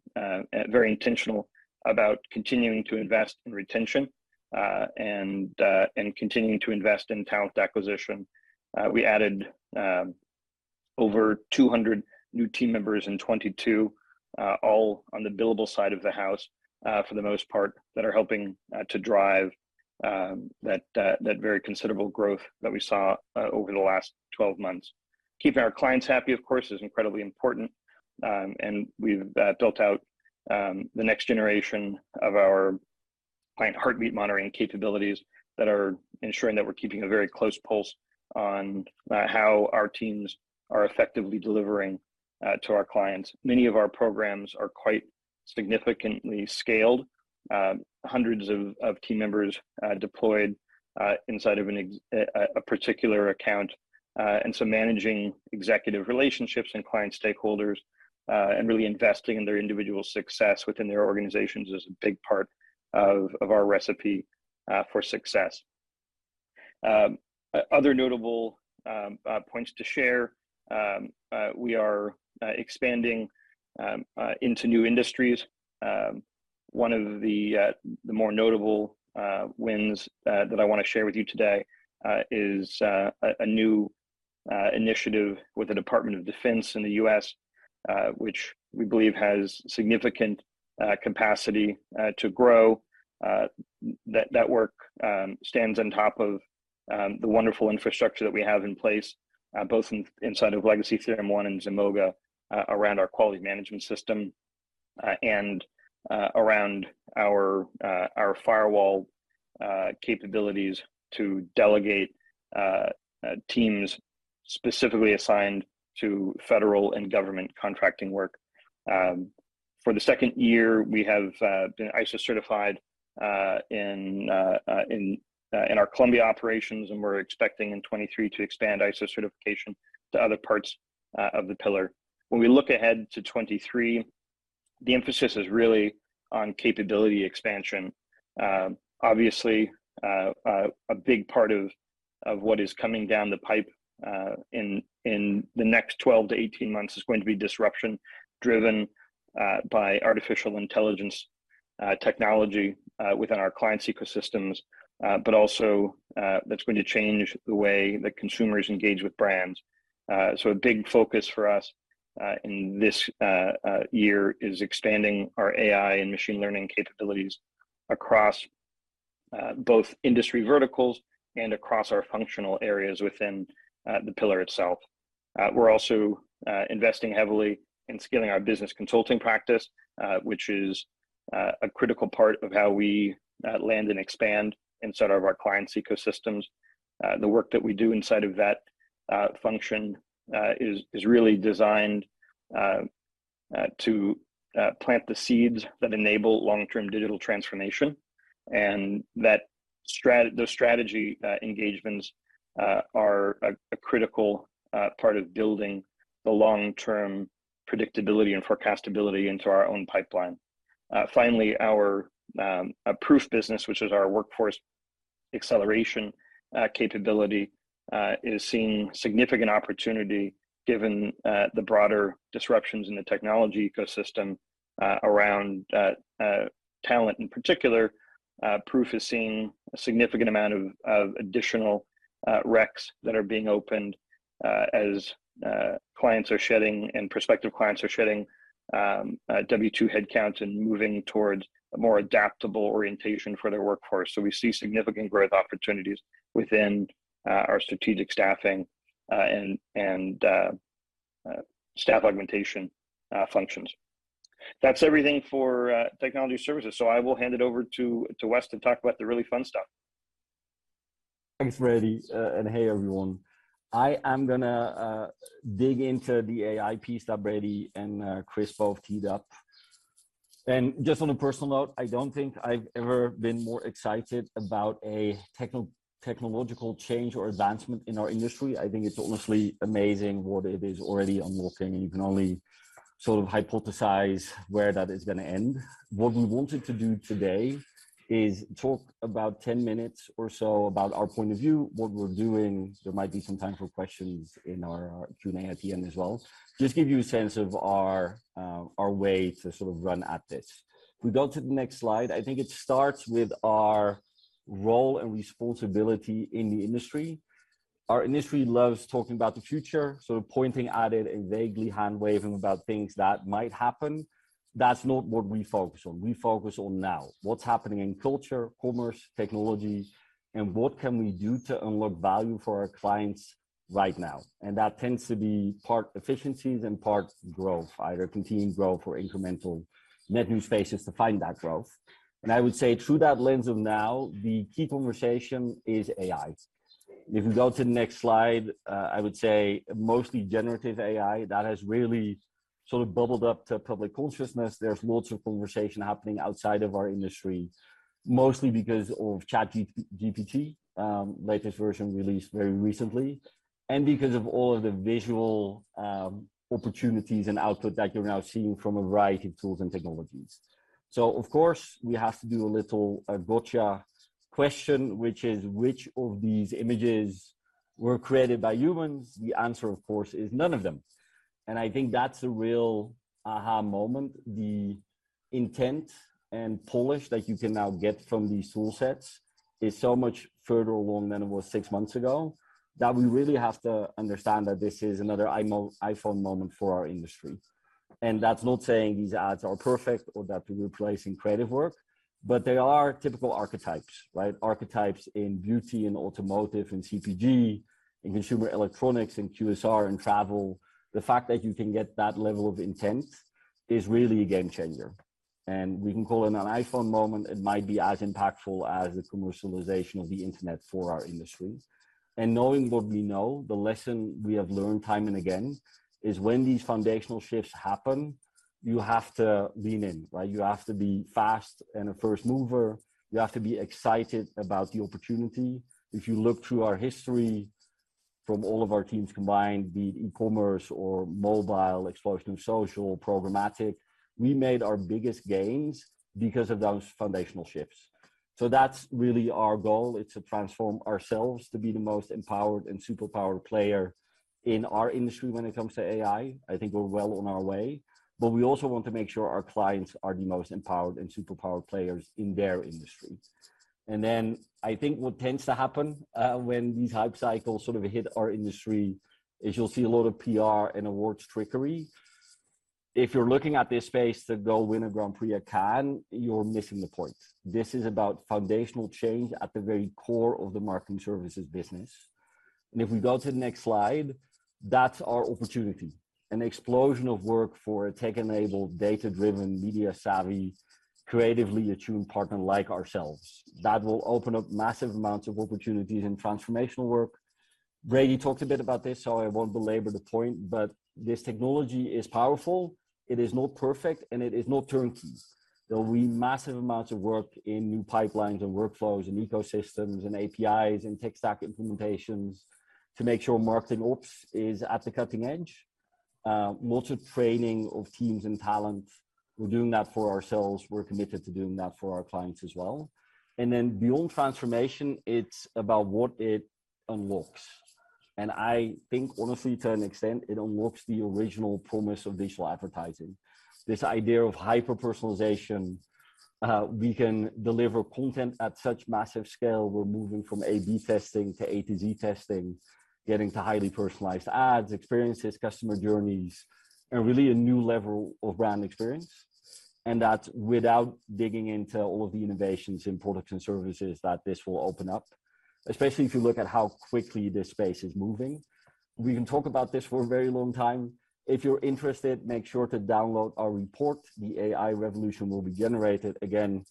very intentional about continuing to invest in retention and continuing to invest in talent acquisition. We added over 200 new team members in 2022, all on the billable side of the house, for the most part, that are helping to drive that very considerable growth that we saw over the last 12 months. Keeping our clients happy, of course, is incredibly important. We've built out the next generation of our client heartbeat monitoring capabilities that are ensuring that we're keeping a very close pulse on how our teams are effectively delivering to our clients. Many of our programs are quite significantly scaled. Hundreds of team members deployed inside of a particular account. Managing executive relationships and client stakeholders and really investing in their individual success within their organizations is a big part of our recipe for success. Other notable points to share, we are expanding into new industries. e notable wins that I want to share with you today is a new initiative with the Department of Defense in the U.S., which we believe has significant capacity to grow. That work stands on top of the wonderful infrastructure that we have in place, both inside of Legacy TheoremOne and Zemoga, around our quality management system, and around our firewall capabilities to delegate teams specifically assigned to federal and government contracting work. For the second year, we have been ISO certified in our Colombia operations, and we're expecting in 23 to expand ISO certification to other parts of the pillar When we look ahead to 2023, the emphasis is really on capability expansion. Obviously, a big part of what is coming down the pipe in the next 12-18 months is going to be disruption driven by artificial intelligence technology within our clients' ecosystems. Also, that's going to change the way that consumers engage with brands. A big focus for us in this year is expanding our AI and machine learning capabilities across both industry verticals and across our functional areas within the pillar itself. We're also investing heavily in scaling our business consulting practice, which is a critical part of how we land and expand inside of our clients' ecosystems. The work that we do inside of that function is really designed to plant the seeds that enable long-term digital transformation. That those strategy engagements are a critical part of building the long-term predictability and forecastability into our own pipeline. Finally, our Proof business, which is our workforce acceleration capability, is seeing significant opportunity given the broader disruptions in the technology ecosystem around talent in particular. Proof is seeing a significant amount of additional recs that are being opened as clients are shedding and prospective clients are shedding W-2 headcounts and moving towards a more adaptable orientation for their workforce. We see significant growth opportunities within our strategic staffing and staff augmentation functions. That's everything for Technology Services. I will hand it over to Wes to talk about the really fun stuff. Thanks, Brady, and hey, everyone. I am gonna dig into the AI piece that Brady and Chris both teed up. Just on a personal note, I don't think I've ever been more excited about a technological change or advancement in our industry. I think it's honestly amazing what it is already unlocking, and you can only sort of hypothesize where that is gonna end. What we wanted to do today is talk about 10 minutes or so about our point of view, what we're doing. There might be some time for questions in our Q&A at the end as well. Just give you a sense of our way to sort of run at this. If we go to the next slide, I think it starts with our role and responsibility in the industry. Our industry loves talking about the future, sort of pointing at it and vaguely hand-waving about things that might happen. That's not what we focus on. We focus on now. What's happening in culture, commerce, technology, and what can we do to unlock value for our clients right now? That tends to be part efficiencies and part growth, either continued growth or incremental net new spaces to find that growth. I would say through that lens of now, the key conversation is AI. If we go to the next slide, I would say mostly generative AI. That has really sort of bubbled up to public consciousness. There's lots of conversation happening outside of our industry, mostly because of ChatGPT, latest version released very recently, and because of all of the visual opportunities and output that you're now seeing from a variety of tools and technologies. Of course, we have to do a little gotcha question, which is which of these images were created by humans? The answer, of course, is none of them. I think that's a real aha moment. The intent and polish that you can now get from these tool sets is so much further along than it was six months ago that we really have to understand that this is another iPhone moment for our industry. That's not saying these ads are perfect or that we're replacing creative work, but they are typical archetypes, right? Archetypes in beauty and automotive and CPG, in consumer electronics, in QSR, in travel. The fact that you can get that level of intent is really a game changer. We can call it an iPhone moment. It might be as impactful as the commercialization of the internet for our industry. Knowing what we know, the lesson we have learned time and again is when these foundational shifts happen, you have to lean in, right? You have to be fast and a first mover. You have to be excited about the opportunity. If you look through our history from all of our teams combined, be it e-commerce or mobile, explosion of social, programmatic, we made our biggest gains because of those foundational shifts. That's really our goal. It's to transform ourselves to be the most empowered and superpowered player in our industry when it comes to AI. I think we're well on our way. We also want to make sure our clients are the most empowered and superpowered players in their industry. I think what tends to happen, when these hype cycles sort of hit our industry is you'll see a lot of PR and awards trickery. If you're looking at this space to go win a Grand Prix at Cannes, you're missing the point. This is about foundational change at the very core of the marketing services business. If we go to the next slide, that's our opportunity, an explosion of work for a tech-enabled, data-driven, media-savvy, creatively attuned partner like ourselves that will open up massive amounts of opportunities and transformational work. Brady talked a bit about this, so I won't belabor the point, but this technology is powerful, it is not perfect, and it is not turnkey. There will be massive amounts of work in new pipelines and workflows and ecosystems and APIs and tech stack implementations to make sure marketing ops is at the cutting edge. Lots of training of teams and talent. We're doing that for ourselves. We're committed to doing that for our clients as well. Beyond transformation, it's about what it unlocks. I think honestly, to an extent, it unlocks the original promise of digital advertising. This idea of hyper-personalization, we can deliver content at such massive scale. We're moving from A/B testing to A-Z testing, getting to highly personalized ads, experiences, customer journeys, and really a new level of brand experience. That's without digging into all of the innovations in products and services that this will open up, especially if you look at how quickly this space is moving. We can talk about this for a very long time. If you're interested, make sure to download our report, The AI Revolution Will Be Generated. Again,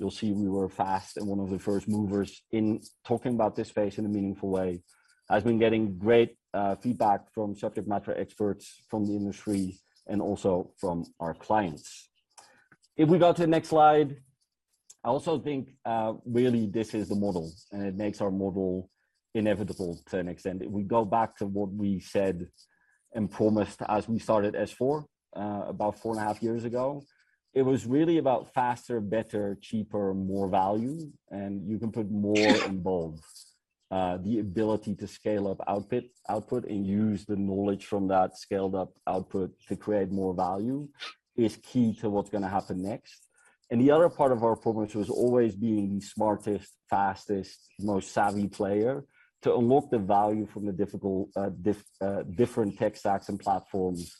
you'll see we were fast and one of the first movers in talking about this space in a meaningful way, has been getting great, feedback from subject matter experts from the industry and also from our clients. If we go to the next slide, I also think, really this is the model, and it makes our model inevitable to an extent. If we go back to what we said and promised as we started S4, about four and a half years ago, it was really about faster, better, cheaper, more value, and you can put more in bold. The ability to scale up output and use the knowledge from that scaled up output to create more value is key to what's gonna happen next. The other part of our performance was always being the smartest, fastest, most savvy player to unlock the value from the difficult, different tech stacks and platforms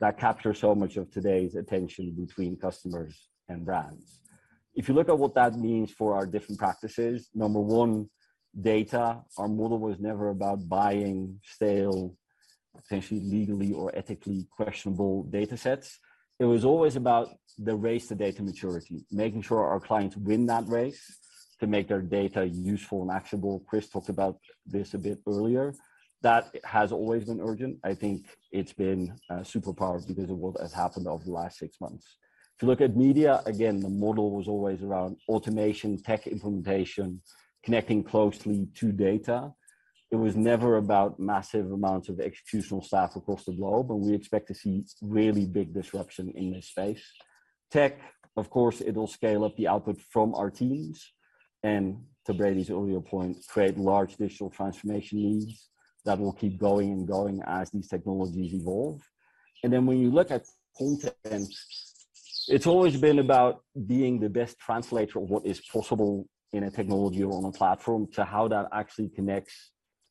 that capture so much of today's attention between customers and brands. If you look at what that means for our different practices, number one, data. Our model was never about buying, stale, potentially legally or ethically questionable datasets. It was always about the race to data maturity, making sure our clients win that race to make their data useful and actionable. Chris talked about this a bit earlier. That has always been urgent. I think it's been super powered because of what has happened over the last six months. If you look at media, again, the model was always around automation, tech implementation, connecting closely to data. It was never about massive amounts of executional staff across the globe. We expect to see really big disruption in this space. Tech, of course, it'll scale up the output from our teams and to Brady's earlier point, create large digital transformation needs that will keep going and going as these technologies evolve. When you look at content, it's always been about being the best translator of what is possible in a technology or on a platform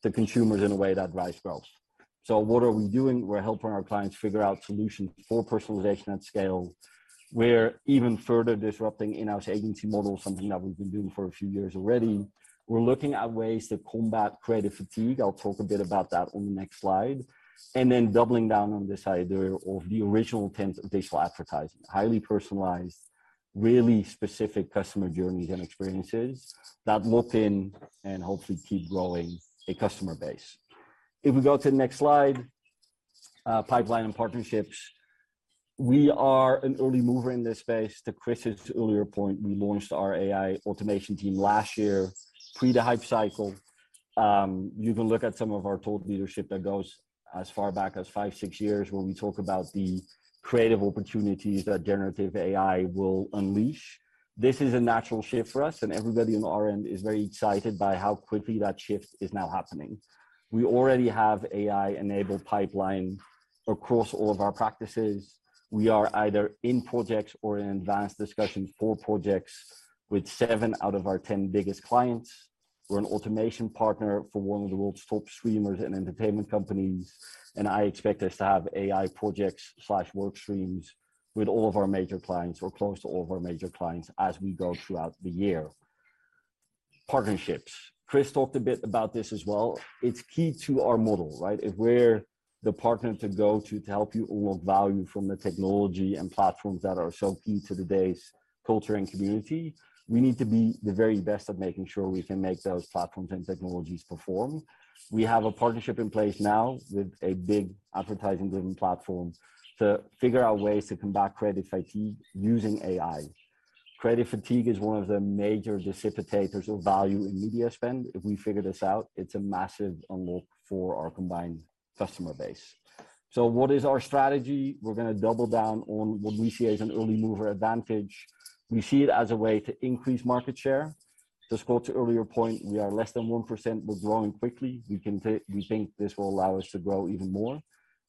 to how that actually connects to consumers in a way that drives growth. What are we doing? We're helping our clients figure out solutions for personalization at scale. We're even further disrupting in-house agency models, something that we've been doing for a few years already. We're looking at ways to combat creative fatigue. I'll talk a bit about that on the next slide. Doubling down on the side there of the original tent of digital advertising. Highly personalized, really specific customer journeys and experiences that lock in and hopefully keep growing a customer base. If we go to the next slide, pipeline and partnerships. We are an early mover in this space. To Chris's earlier point, we launched our AI automation team last year, pre the hype cycle. You can look at some of our thought leadership that goes as far back as 5, 6 years, where we talk about the creative opportunities that generative AI will unleash. This is a natural shift for us, and everybody on our end is very excited by how quickly that shift is now happening. We already have AI-enabled pipeline across all of our practices. We are either in projects or in advanced discussions for projects with 7 out of our 10 biggest clients. We're an automation partner for one of the world's top streamers and entertainment companies, and I expect us to have AI projects/workstreams with all of our major clients or close to all of our major clients as we go throughout the year. Partnerships. Chris talked a bit about this as well. It's key to our model, right? If we're the partner to go to help you unlock value from the technology and platforms that are so key to today's culture and community, we need to be the very best at making sure we can make those platforms and technologies perform. We have a partnership in place now with a big advertising-driven platform to figure out ways to combat creative fatigue using AI. Creative fatigue is one of the major precipitators of value in media spend. If we figure this out, it's a massive unlock for our combined customer base. What is our strategy? We're gonna double down on what we see as an early mover advantage. We see it as a way to increase market share. To Scott's earlier point, we are less than 1%. We're growing quickly. We think this will allow us to grow even more.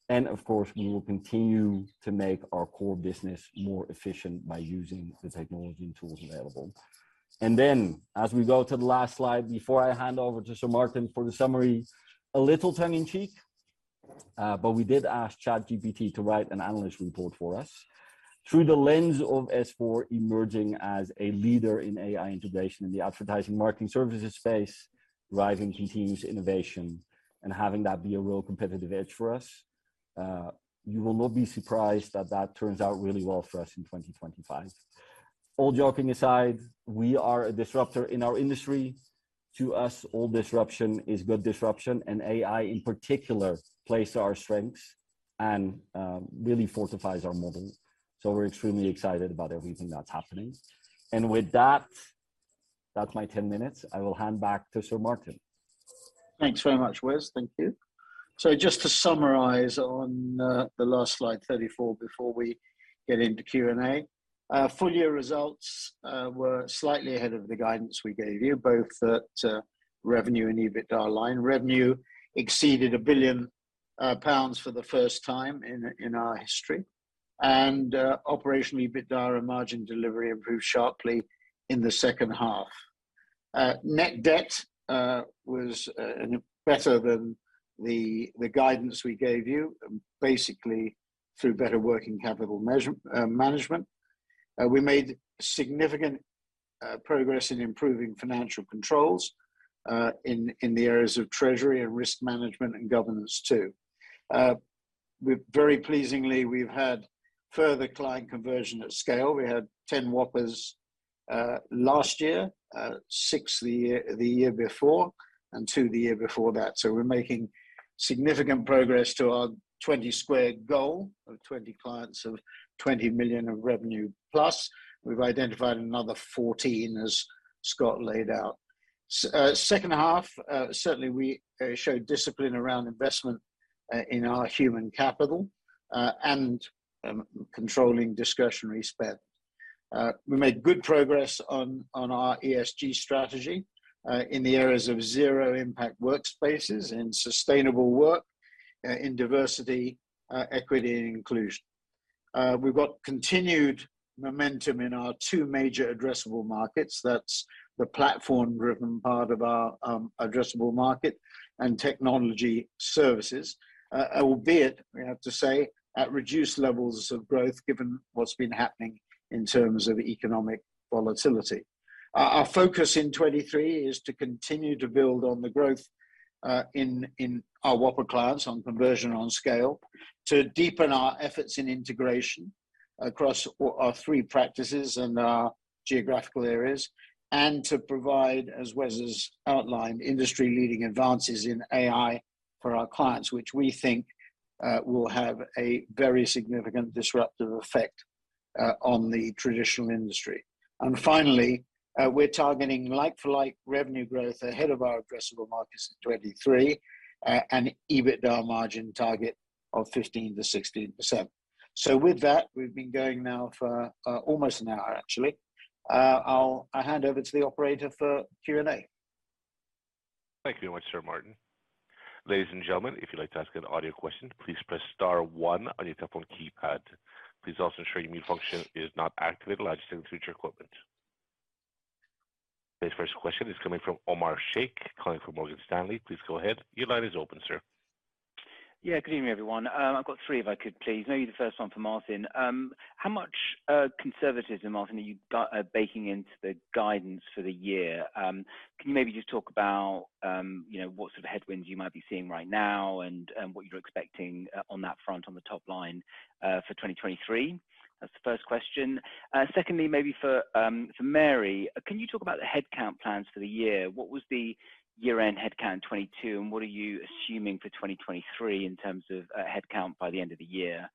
Of course, we will continue to make our core business more efficient by using the technology and tools available. As we go to the last slide, before I hand over to Sir Martin for the summary, a little tongue in cheek, but we did ask ChatGPT to write an analyst report for us through the lens of S4 emerging as a leader in AI integration in the advertising marketing services space, driving continuous innovation and having that be a real competitive edge for us. You will not be surprised that that turns out really well for us in 2025. All joking aside, we are a disruptor in our industry. To us, all disruption is good disruption, and AI in particular plays to our strengths and really fortifies our model. We're extremely excited about everything that's happening. With that's my 10 minutes. I will hand back to Sir Martin. Thanks very much, Wes. Thank you. Just to summarize on the last slide 34 before we get into Q&A. Our full year results were slightly ahead of the guidance we gave you, both at revenue and EBITDA line. Revenue exceeded 1 billion pounds for the first time in our history. Operational EBITDA and margin delivery improved sharply in the second half. Net debt was better than the guidance we gave you, basically through better working capital management. We made significant progress in improving financial controls in the areas of treasury and risk management and governance too. Very pleasingly, we've had further client conversion at scale. We had 10 whoppers last year, 6 the year before, and 2 the year before that. We're making significant progress to our 20 squared goal of 20 clients of $20 million of revenue plus. We've identified another 14, as Scott laid out. Second half, certainly we showed discipline around investment in our human capital and controlling discretionary spend. We made good progress on our ESG strategy in the areas of zero impact workspaces, in sustainable work, in diversity, equity and inclusion. We've got continued momentum in our two major addressable markets. That's the platform-driven part of our addressable market and technology services. Albeit, we have to say, at reduced levels of growth given what's been happening in terms of economic volatility. Our focus in 2023 is to continue to build on the growth in our whopper clients on conversion on scale, to deepen our efforts in integration across all our three practices and our geographical areas, and to provide, as Wes has outlined, industry-leading advances in AI for our clients, which we think will have a very significant disruptive effect on the traditional industry. Finally, we're targeting like-for-like revenue growth ahead of our addressable markets in 2023, an EBITDA margin target of 15%-16%. With that, we've been going now for almost an hour, actually. I'll hand over to the operator for Q&A. Thank you very much, Sir Martin. Ladies and gentlemen, if you'd like to ask an audio question, please press star one on your telephone keypad. Please also ensure your mute function is not activated alongside any future equipment. Today's first question is coming from Omar Sheikh, calling from Morgan Stanley. Please go ahead. Your line is open, sir. Yeah. Good evening, everyone. I've got three, if I could, please. Maybe the first one for Martin. How much conservatism, Martin, are you baking into the guidance for the year? Can you maybe just talk about, you know, what sort of headwinds you might be seeing right now and what you're expecting on that front on the top line for 2023? That's the first question. Secondly, maybe for Mary, can you talk about the headcount plans for the year? What was the year-end headcount in 2022, and what are you assuming for 2023 in terms of headcount by the end of the year?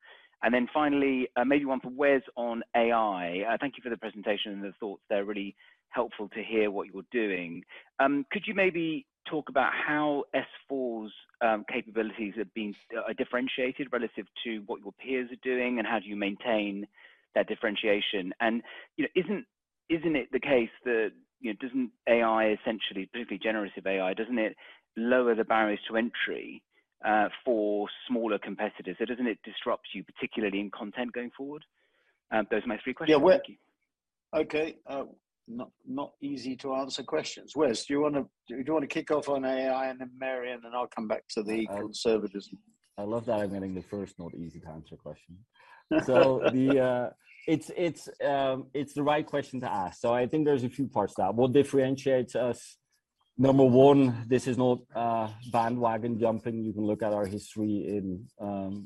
Finally, maybe one for Wes on AI. Thank you for the presentation and the thoughts. They're really helpful to hear what you're doing. Could you maybe talk about how S4's capabilities have been differentiated relative to what your peers are doing, and how do you maintain that differentiation? You know, isn't it the case that, you know, doesn't AI essentially, particularly generative AI, doesn't it lower the barriers to entry for smaller competitors? Doesn't it disrupt you, particularly in content going forward? Those are my three questions. Thank you. Okay. Not easy to answer questions. Wes, do you wanna kick off on AI and then Mary, and then I'll come back to the conservatism. I love that I'm getting the first not easy to answer question. The, it's the right question to ask. I think there's a few parts to that. What differentiates us, number one, this is not bandwagon jumping. You can look at our history in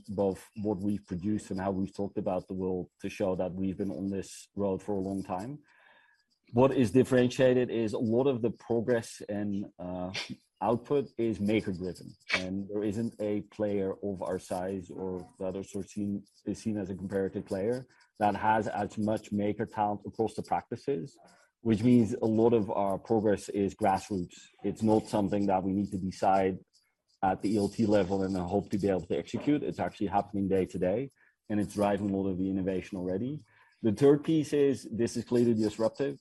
both what we've produced and how we've talked about the world to show that we've been on this road for a long time. What is differentiated is a lot of the progress and output is maker driven, and there isn't a player of our size or that are sort of seen as a comparative player that has as much maker talent across the practices, which means a lot of our progress is grassroots. It's not something that we need to decide at the ELT level and then hope to be able to execute. It's actually happening day to day, and it's driving a lot of the innovation already. The third piece is this is clearly disruptive.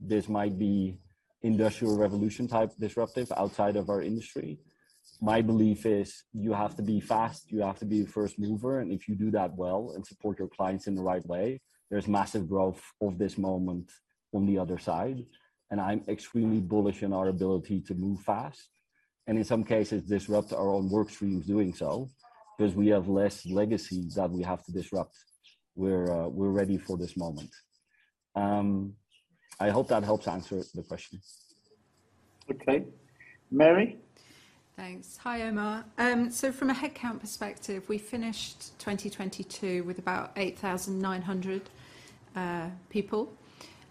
This might be industrial revolution type disruptive outside of our industry. My belief is you have to be fast, you have to be a first mover, and if you do that well and support your clients in the right way, there's massive growth of this moment on the other side. I'm extremely bullish in our ability to move fast and in some cases disrupt our own work streams doing so because we have less legacy that we have to disrupt. We're ready for this moment. I hope that helps answer the question. Okay. Mary? Thanks. Hi, Omar. From a headcount perspective, we finished 2022 with about 8,900 people.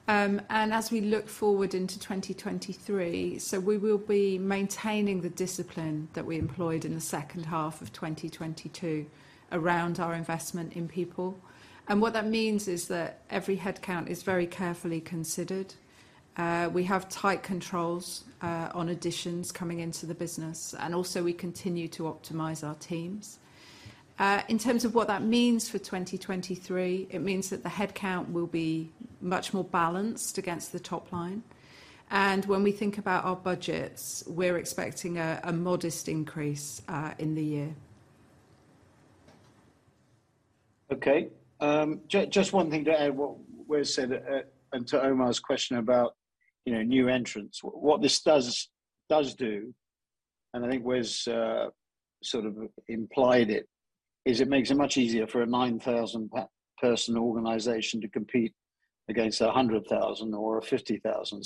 As we look forward into 2023, we will be maintaining the discipline that we employed in the second half of 2022 around our investment in people. What that means is that every headcount is very carefully considered. We have tight controls on additions coming into the business, also we continue to optimize our teams. In terms of what that means for 2023, it means that the headcount will be much more balanced against the top line. When we think about our budgets, we're expecting a modest increase in the year. Okay. Just one thing to add what Wes said, and to Omar's question about, you know, new entrants. What this does do, and I think Wes sort of implied it, is it makes it much easier for a 9,000 per-person organization to compete against a 100,000 or a 50,000.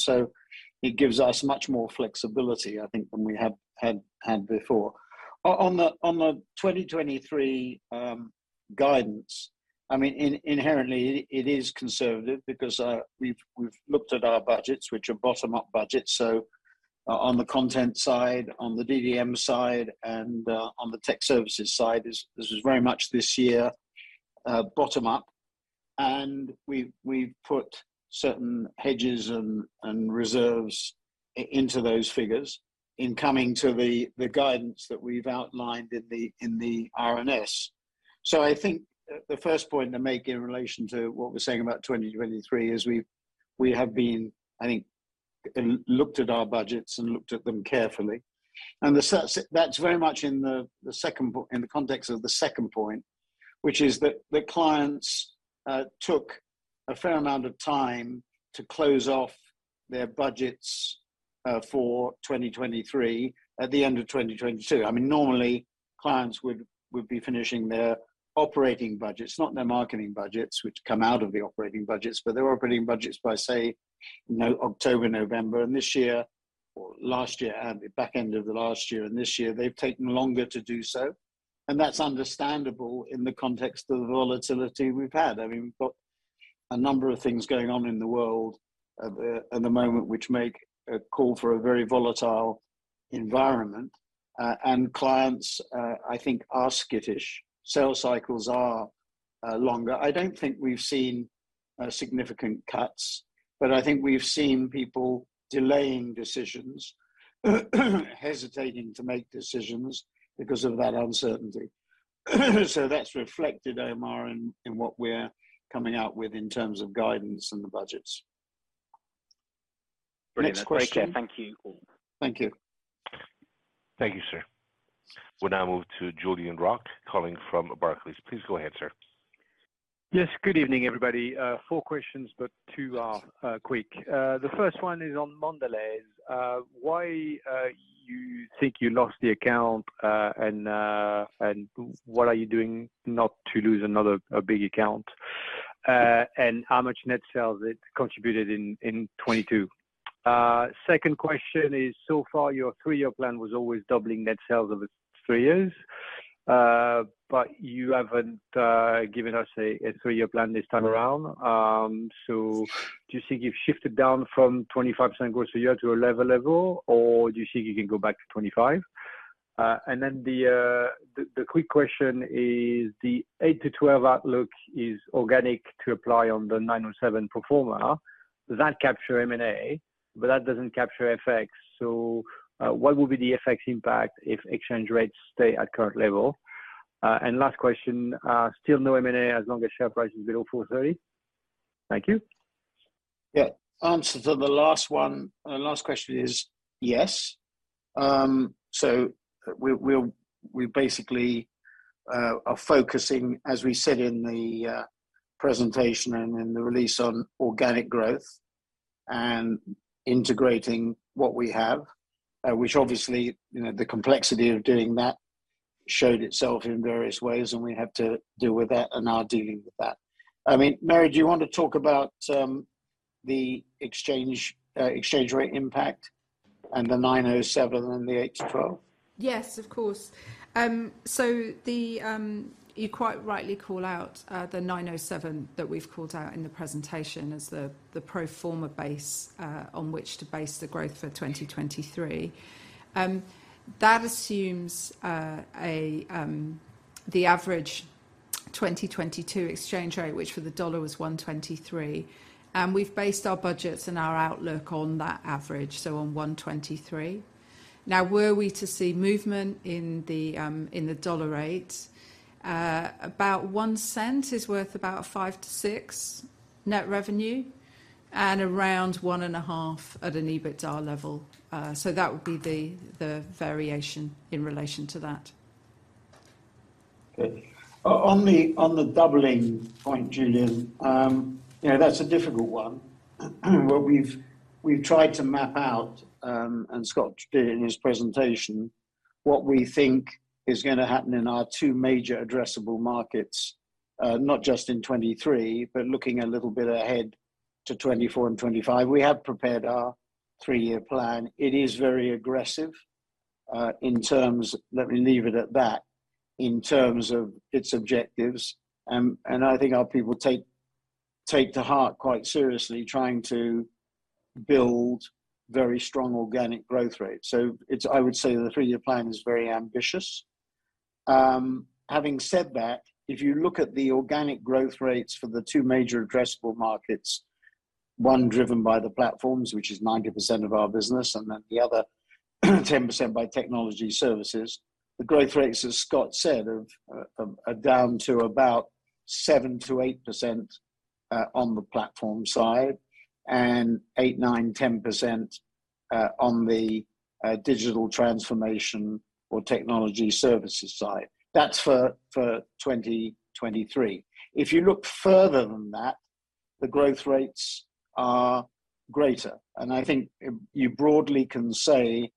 It gives us much more flexibility, I think, than we had before. On the 2023 guidance, I mean, inherently it is conservative because we've looked at our budgets, which are bottom-up budgets. On the content side, on the DDM side, and on the tech services side, this is very much this year bottom-up. We've put certain hedges and reserves into those figures in coming to the guidance that we've outlined in the RNS. I think the first point to make in relation to what we're saying about 2023 is we have been, I think, looked at our budgets and looked at them carefully. That's very much in the second point in the context of the second point, which is that the clients took a fair amount of time to close off their budgets for 2023 at the end of 2022. Normally, clients would be finishing their operating budgets, not their marketing budgets, which come out of the operating budgets, but their operating budgets by, say, you know, October, November. This year, or last year, back end of the last year and this year, they've taken longer to do so, and that's understandable in the context of the volatility we've had. I mean, we've got a number of things going on in the world at the moment which make a call for a very volatile environment. Clients, I think are skittish. Sales cycles are longer. I don't think we've seen significant cuts, I think we've seen people delaying decisions, hesitating to make decisions because of that uncertainty. That's reflected, Omar, in what we're coming out with in terms of guidance and the budgets. Brilliant. Great. Thank you all. Thank you. Thank you, sir. We'll now move to Julien Roch calling from Barclays. Please go ahead, sir. Yes. Good evening, everybody. 4 questions, but 2 are quick. The first one is on Mondelez. Why you think you lost the account, and what are you doing not to lose another big account? How much net sales it contributed in 2022. Second question is, so far your 3-year plan was always doubling net sales over 3 years, but you haven't given us a 3-year plan this time around. Do you think you've shifted down from 25% growth a year to a lower level, or do you think you can go back to 25%? The quick question is, the 8-12 outlook is organic to apply on the 907 pro forma. Does that capture M&A? That doesn't capture FX, so what will be the FX impact if exchange rates stay at current level? Last question, still no M&A as long as share price is below 4.30? Thank you. Yeah. Answer to the last one, last question is yes. We basically are focusing, as we said in the presentation and in the release on organic growth and integrating what we have, which obviously, you know, the complexity of doing that showed itself in various ways, and we had to deal with that and are dealing with that. I mean, Mary, do you want to talk about the exchange rate impact and the 907 and the H twelve? Yes, of course. You quite rightly call out the 907 that we've called out in the presentation as the pro forma base on which to base the growth for 2023. That assumes the average 2022 exchange rate, which for the dollar was 1.23. We've based our budgets and our outlook on that average, so on 1.23. Now, were we to see movement in the dollar rate, about 1 cent is worth about 5-6 net revenue and around 1.5 at an EBITDA level. That would be the variation in relation to that. Okay. On the doubling point, Julien, you know, that's a difficult one. What we've tried to map out, and Scott did in his presentation, what we think is gonna happen in our 2 major addressable markets, not just in 23, but looking a little bit ahead to 24 and 25. We have prepared our 3-year plan. It is very aggressive, in terms, let me leave it at that, in terms of its objectives. I think our people take to heart quite seriously trying to build very strong organic growth rates. I would say the 3-year plan is very ambitious. Having said that, if you look at the organic growth rates for the two major addressable markets, one driven by the platforms, which is 90% of our business, and then the other 10% by technology services, the growth rates, as Scott said, are down to about 7%-8% on the platform side and 8%, 9%, 10% on the digital transformation or technology services side. That's for 2023. If you look further than that, the growth rates are greater. I think you broadly can say,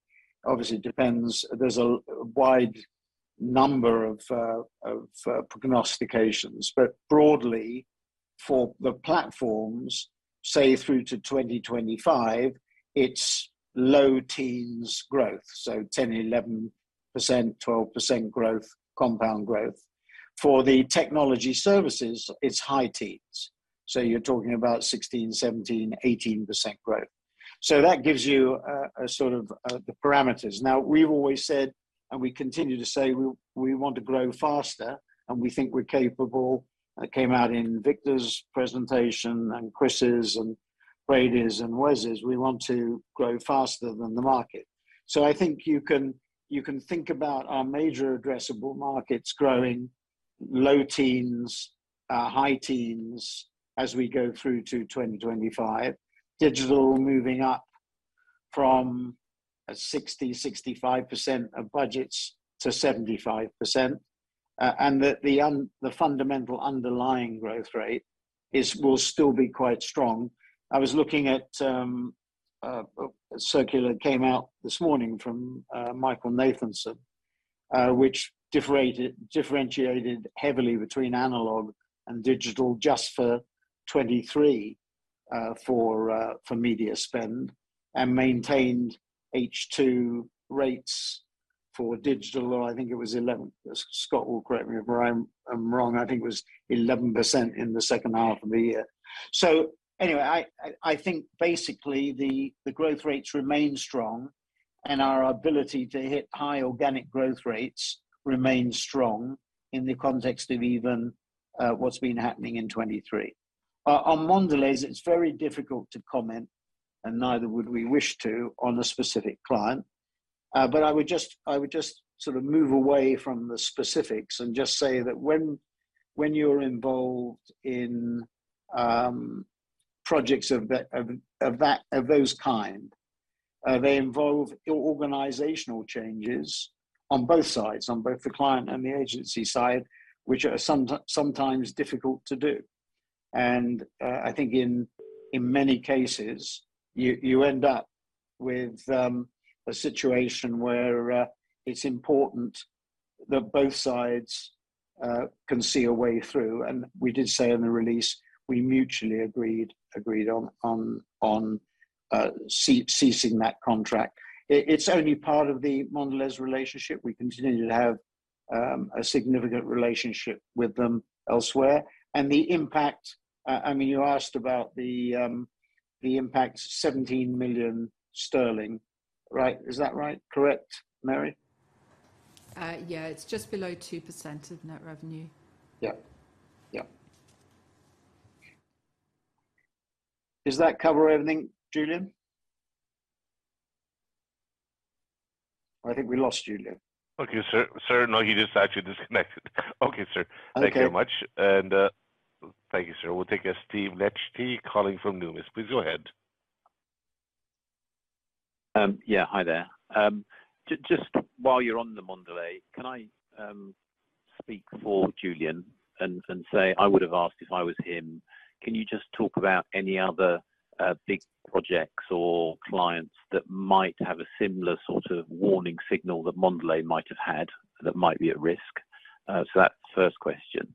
obviously it depends, there's a wide number of prognostications. Broadly, for the platforms, say through to 2025, it's low teens growth, so 10%, 11%, 12% growth, compound growth. For the technology services, it's high teens, so you're talking about 16%, 17%, 18% growth. That gives you a sort of the parameters. Now, we've always said-And we continue to say we want to grow faster, and we think we're capable. That came out in Victor's presentation and Chris's and Brady's and Wes's. We want to grow faster than the market. I think you can think about our major addressable markets growing low teens, high teens as we go through to 2025. Digital moving up from 60%, 65% of budgets to 75%. The fundamental underlying growth rate will still be quite strong. I was looking at a circular that came out this morning from Michael Nathanson, which differentiated heavily between analog and digital just for 2023, for media spend and maintained H2 rates for digital. I think it was 11%. Scott will correct me if I'm wrong. I think it was 11% in the second half of the year. Anyway, I think basically the growth rates remain strong and our ability to hit high organic growth rates remains strong in the context of even what's been happening in 23. On Mondelēz, it's very difficult to comment and neither would we wish to on a specific client. I would just sort of move away from the specifics and just say that when you're involved in projects of those kind, they involve organizational changes on both sides, on both the client and the agency side, which are sometimes difficult to do. I think in many cases, you end up with a situation where it's important that both sides can see a way through. We did say in the release we mutually agreed on ceasing that contract. It's only part of the Mondelēz relationship. We continue to have a significant relationship with them elsewhere. The impact, I mean, you asked about the impact 17 million sterling, right? Is that right? Correct, Mary? Yeah. It's just below 2% of net revenue. Yeah. Yeah. Does that cover everything, Julien? I think we lost Julien. Okay, sir. Sir, no, he just actually disconnected. Okay, sir. Okay. Thank you very much. Thank you, sir. We'll take, Steve Liechti calling from Numis. Please go ahead. Yeah, hi there. Just while you're on the Mondelēz, can I speak for Julien and say I would have asked if I was him, can you just talk about any other big projects or clients that might have a similar sort of warning signal that Mondelēz might have had that might be at risk? So that's the first question.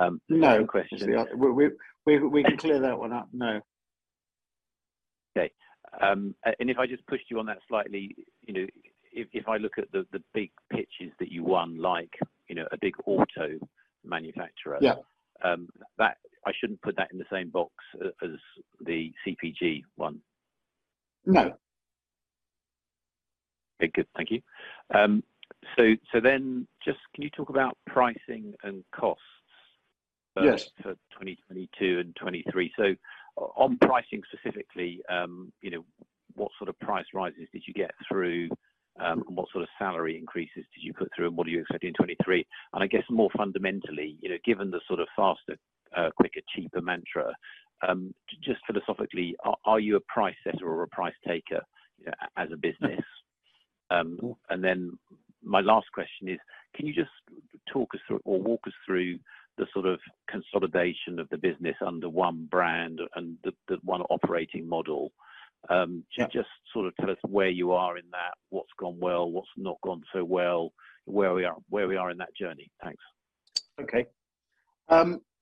No. The second question is the other- We can clear that one up. No. Okay. If I just pushed you on that slightly, you know, if I look at the big pitches that you won, like, you know, a big auto manufacturer- Yeah I shouldn't put that in the same box as the CPG one? No. Okay, good. Thank you. Just can you talk about pricing and costs? Yes ...first for 2022 and 2023. On pricing specifically, you know, what sort of price rises did you get through? What sort of salary increases did you put through, and what are you expecting in 2023? I guess more fundamentally, you know, given the sort of faster, quicker, cheaper mantra, just philosophically, are you a price setter or a price taker as a business? Then my last question is, can you just talk us through or walk us through the sort of consolidation of the business under one brand and the one operating model? Yeah can you just sort of tell us where you are in that? What's gone well? What's not gone so well? Where we are in that journey? Thanks. Okay.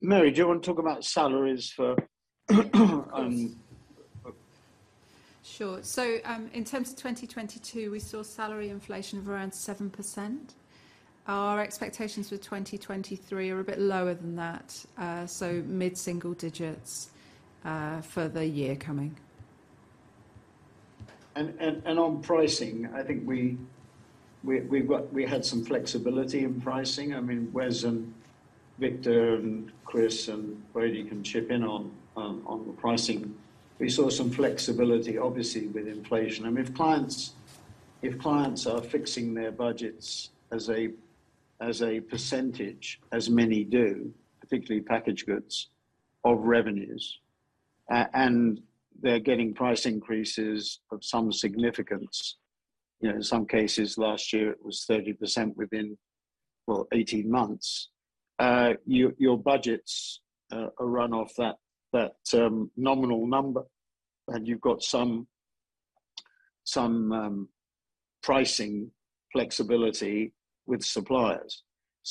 Mary, do you want to talk about salaries? Of course. Um... Sure. In terms of 2022, we saw salary inflation of around 7%. Our expectations for 2023 are a bit lower than that, so mid-single digits, for the year coming. On pricing, I think we had some flexibility in pricing. I mean, Wes and Victor and Chris and Brady can chip in on the pricing. We saw some flexibility obviously with inflation. I mean, if clients are fixing their budgets as a percentage, as many do, particularly packaged goods, of revenues and they're getting price increases of some significance, you know, in some cases last year it was 30% within, well, 18 months, your budgets run off that nominal number and you've got some pricing flexibility with suppliers.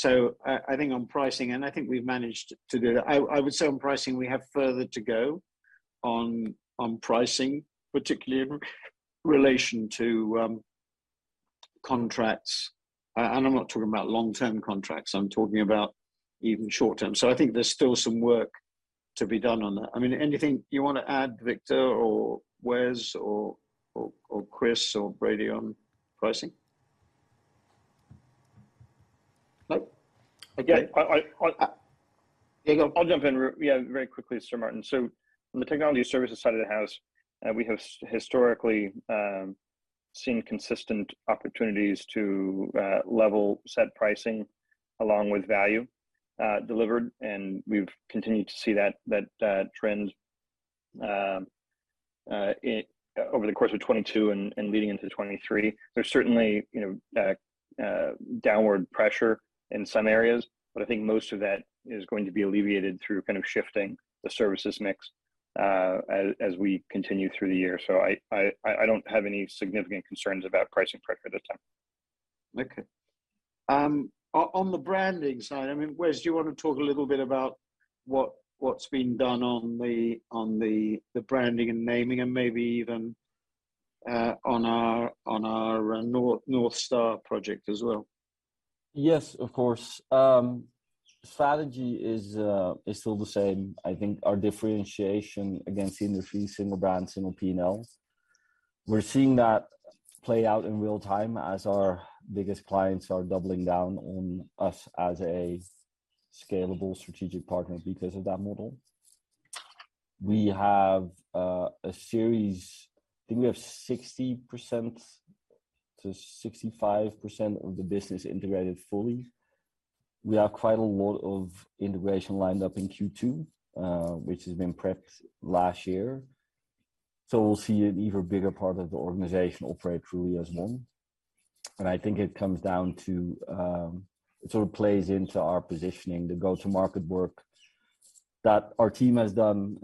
I think on pricing, and I think we've managed to do that. I would say on pricing we have further to go on pricing, particularly in relation to contracts. I'm not talking about long-term contracts, I'm talking about even short-term. I think there's still some work to be done on that. I mean, anything you wanna add, Victor or Wes or Chris or Brady on pricing? No? Okay. Yeah, I. There you go. I'll jump in yeah, very quickly, Sir Martin. On the technology services side of the house, we have historically seen consistent opportunities to level set pricing along with value delivered, and we've continued to see that trend over the course of 2022 and leading into 2023. There's certainly, you know, downward pressure in some areas, but I think most of that is going to be alleviated through kind of shifting the services mix as we continue through the year. I don't have any significant concerns about pricing pressure at this time. Okay. on the branding side, I mean, Wes, do you wanna talk a little bit about what's been done on the branding and naming and maybe even on our North Star project as well? Yes, of course. Strategy is still the same. I think our differentiation against industry, single brand, single P&L. We're seeing that play out in real time as our biggest clients are doubling down on us as a scalable strategic partner because of that model. We have a series... I think we have 60% to 65% of the business integrated fully. We have quite a lot of integration lined up in Q2, which has been prepped last year. We'll see an even bigger part of the organization operate truly as one. I think it comes down to, it sort of plays into our positioning, the go-to-market work that our team has done,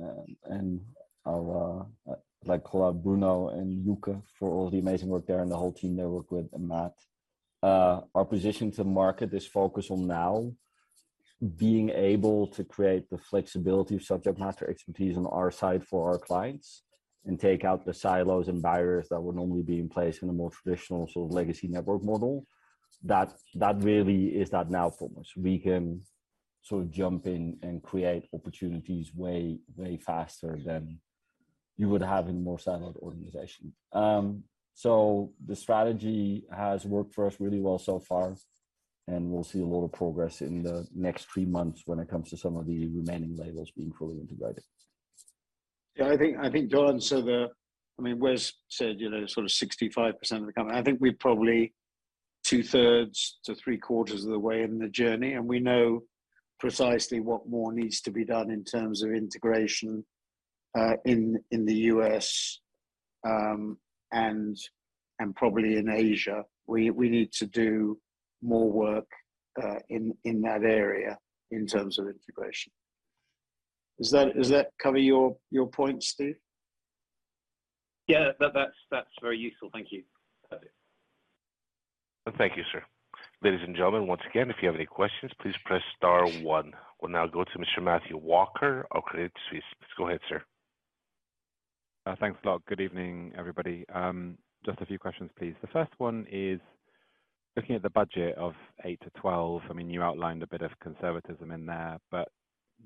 and our, I'd like to call out Bruno and Luca for all the amazing work there and the whole team they work with, and Matt. Our position to market is focused on now being able to create the flexibility of subject matter expertise on our side for our clients and take out the silos and barriers that would normally be in place in a more traditional sort of legacy network model. That really is that now for us. We can sort of jump in and create opportunities way faster than you would have in a more siloed organization. The strategy has worked for us really well so far, and we'll see a lot of progress in the next three months when it comes to some of the remaining labels being fully integrated. I think John said. I mean, Wes said, you know, sort of 65% of the company. I think we're probably two thirds to three quarters of the way in the journey. We know precisely what more needs to be done in terms of integration in the U.S. and probably in Asia. We need to do more work in that area in terms of integration. Does that cover your points, Steve? Yeah. That, that's very useful. Thank you. That's it. Thank you, sir. Ladies and gentlemen, once again, if you have any questions, please press star one. We'll now go to Mr. Matthew Walker of Credit Suisse. Go ahead, sir. Thanks a lot. Good evening, everybody. Just a few questions, please. The first one is looking at the budget of 8%-12%, I mean, you outlined a bit of conservatism in there, but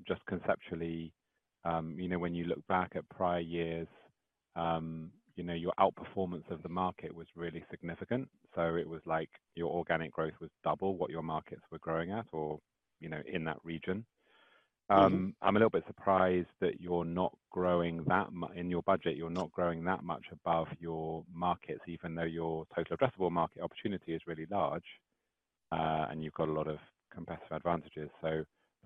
just conceptually, you know, when you look back at prior years, you know, your outperformance of the market was really significant. It was like your organic growth was double what your markets were growing at or, you know, in that region. Mm-hmm. I'm a little bit surprised that you're not growing in your budget, you're not growing that much above your markets, even though your total addressable market opportunity is really large, and you've got a lot of competitive advantages.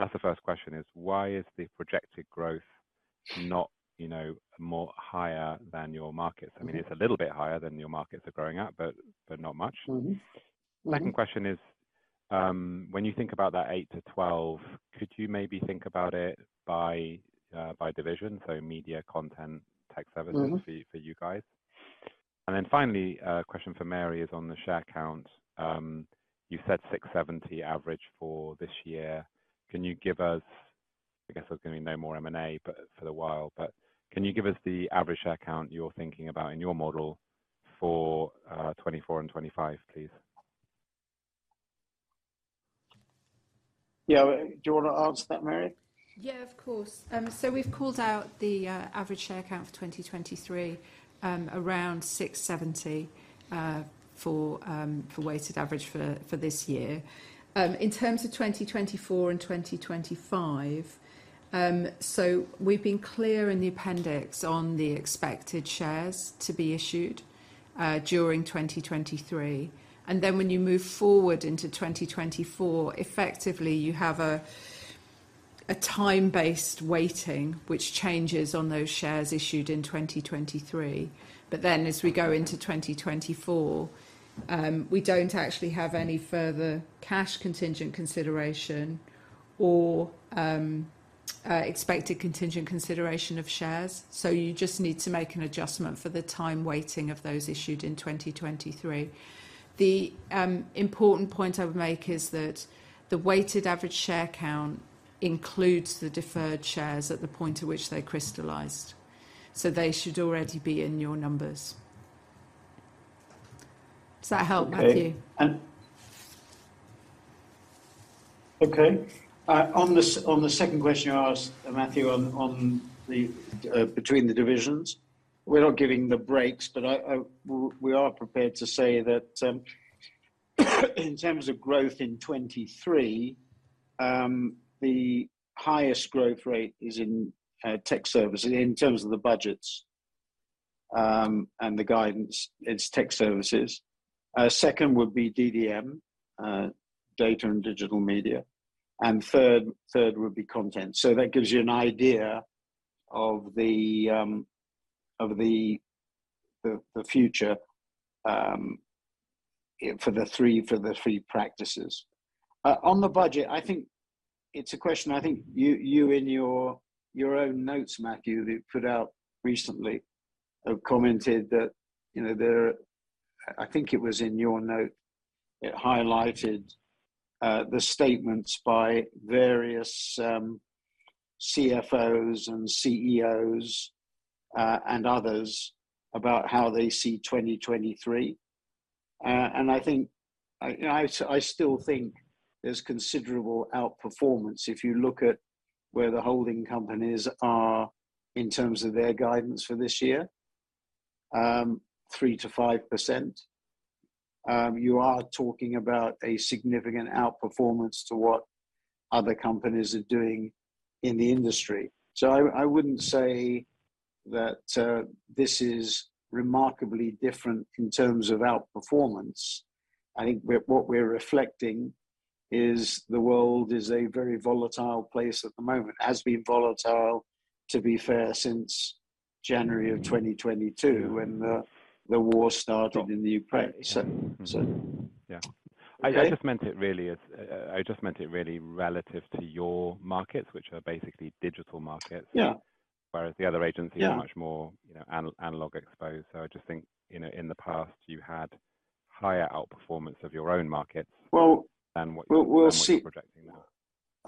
That's the first question is: Why is the projected growth not, you know, more higher than your markets? I mean, it's a little bit higher than your markets are growing at, but not much. Mm-hmm. Mm-hmm. Second question is, when you think about that 8-12, could you maybe think about it by division, so media, content, tech services? Mm-hmm ...for you guys? Finally, a question for Mary is on the share count. You said 670 average for this year. Can you give us? I guess there's gonna be no more M&A for a while. Can you give us the average share count you're thinking about in your model for 2024 and 2025, please? Yeah. Do you wanna answer that, Mary? Yeah, of course. We've called out the average share count for 2023, around 670, for weighted average for this year. In terms of 2024 and 2025, we've been clear in the appendix on the expected shares to be issued during 2023. When you move forward into 2024, effectively you have a time-based weighting which changes on those shares issued in 2023. As we go into 2024, we don't actually have any further cash contingent consideration or expected contingent consideration of shares. You just need to make an adjustment for the time weighting of those issued in 2023. The important point I would make is that the weighted average share count includes the deferred shares at the point at which they crystallized. They should already be in your numbers. Does that help, Matthew? Okay. On the second question you asked, Matthew, on the between the divisions, we're not giving the breaks, but we are prepared to say that in terms of growth in 23, the highest growth rate is in tech service. In terms of the budgets, and the guidance, it's tech services. Second would be DDM, Data and Digital Media, and third would be content. That gives you an idea of the of the future for the three practices. On the budget, I think it's a question you in your own notes, Matthew, that you put out recently have commented that, you know, there... I think it was in your note, it highlighted the statements by various CFOs and CEOs and others about how they see 2023. I still think there's considerable outperformance. If you look at where the holding companies are in terms of their guidance for this year, 3%-5%, you are talking about a significant outperformance to what other companies are doing in the industry. I wouldn't say that this is remarkably different in terms of outperformance. What we're reflecting is the world is a very volatile place at the moment. It has been volatile, to be fair, since January of 2022 when the war started in the Ukraine. Yeah. Okay? I just meant it really relative to your markets, which are basically digital markets. Yeah... whereas the other agencies- Yeah... are much more, you know, analog exposed. I just think, you know, in the past you had higher outperformance of your own markets. Well-... than what. We'll see.... what you're projecting now.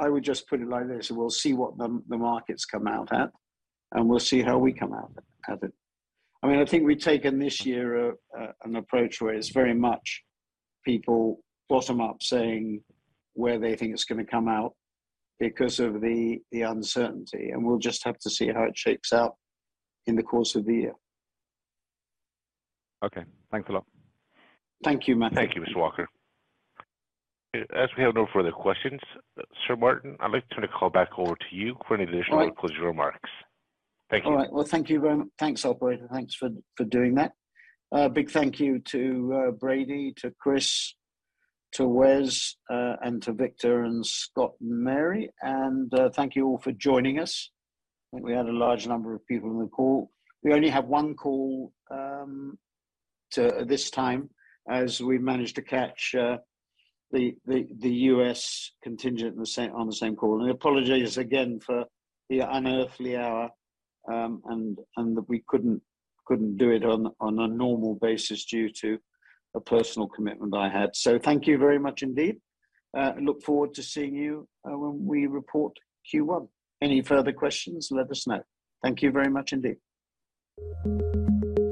I would just put it like this. We'll see what the markets come out at. We'll see how we come out of it. I mean, I think we've taken this year, an approach where it's very much people bottom up saying where they think it's gonna come out because of the uncertainty. We'll just have to see how it shakes out in the course of the year. Okay. Thanks a lot. Thank you, Matthew. Thank you, Mr. Walker. As we have no further questions, Sir Martin, I'd like to turn the call back over to you for any additional or closing remarks. Thank you. All right. Well, thank you very much. Thanks, operator. Thanks for doing that. A big thank you to Brady, to Chris, to Wes, and to Victor and Scott and Mary. Thank you all for joining us. I think we had a large number of people on the call. We only had one call this time, as we managed to catch the U.S. contingent in the same, on the same call. I apologize again for the unearthly hour, and that we couldn't do it on a normal basis due to a personal commitment I had. Thank you very much indeed. Look forward to seeing you when we report Q1. Any further questions, let us know. Thank you very much indeed.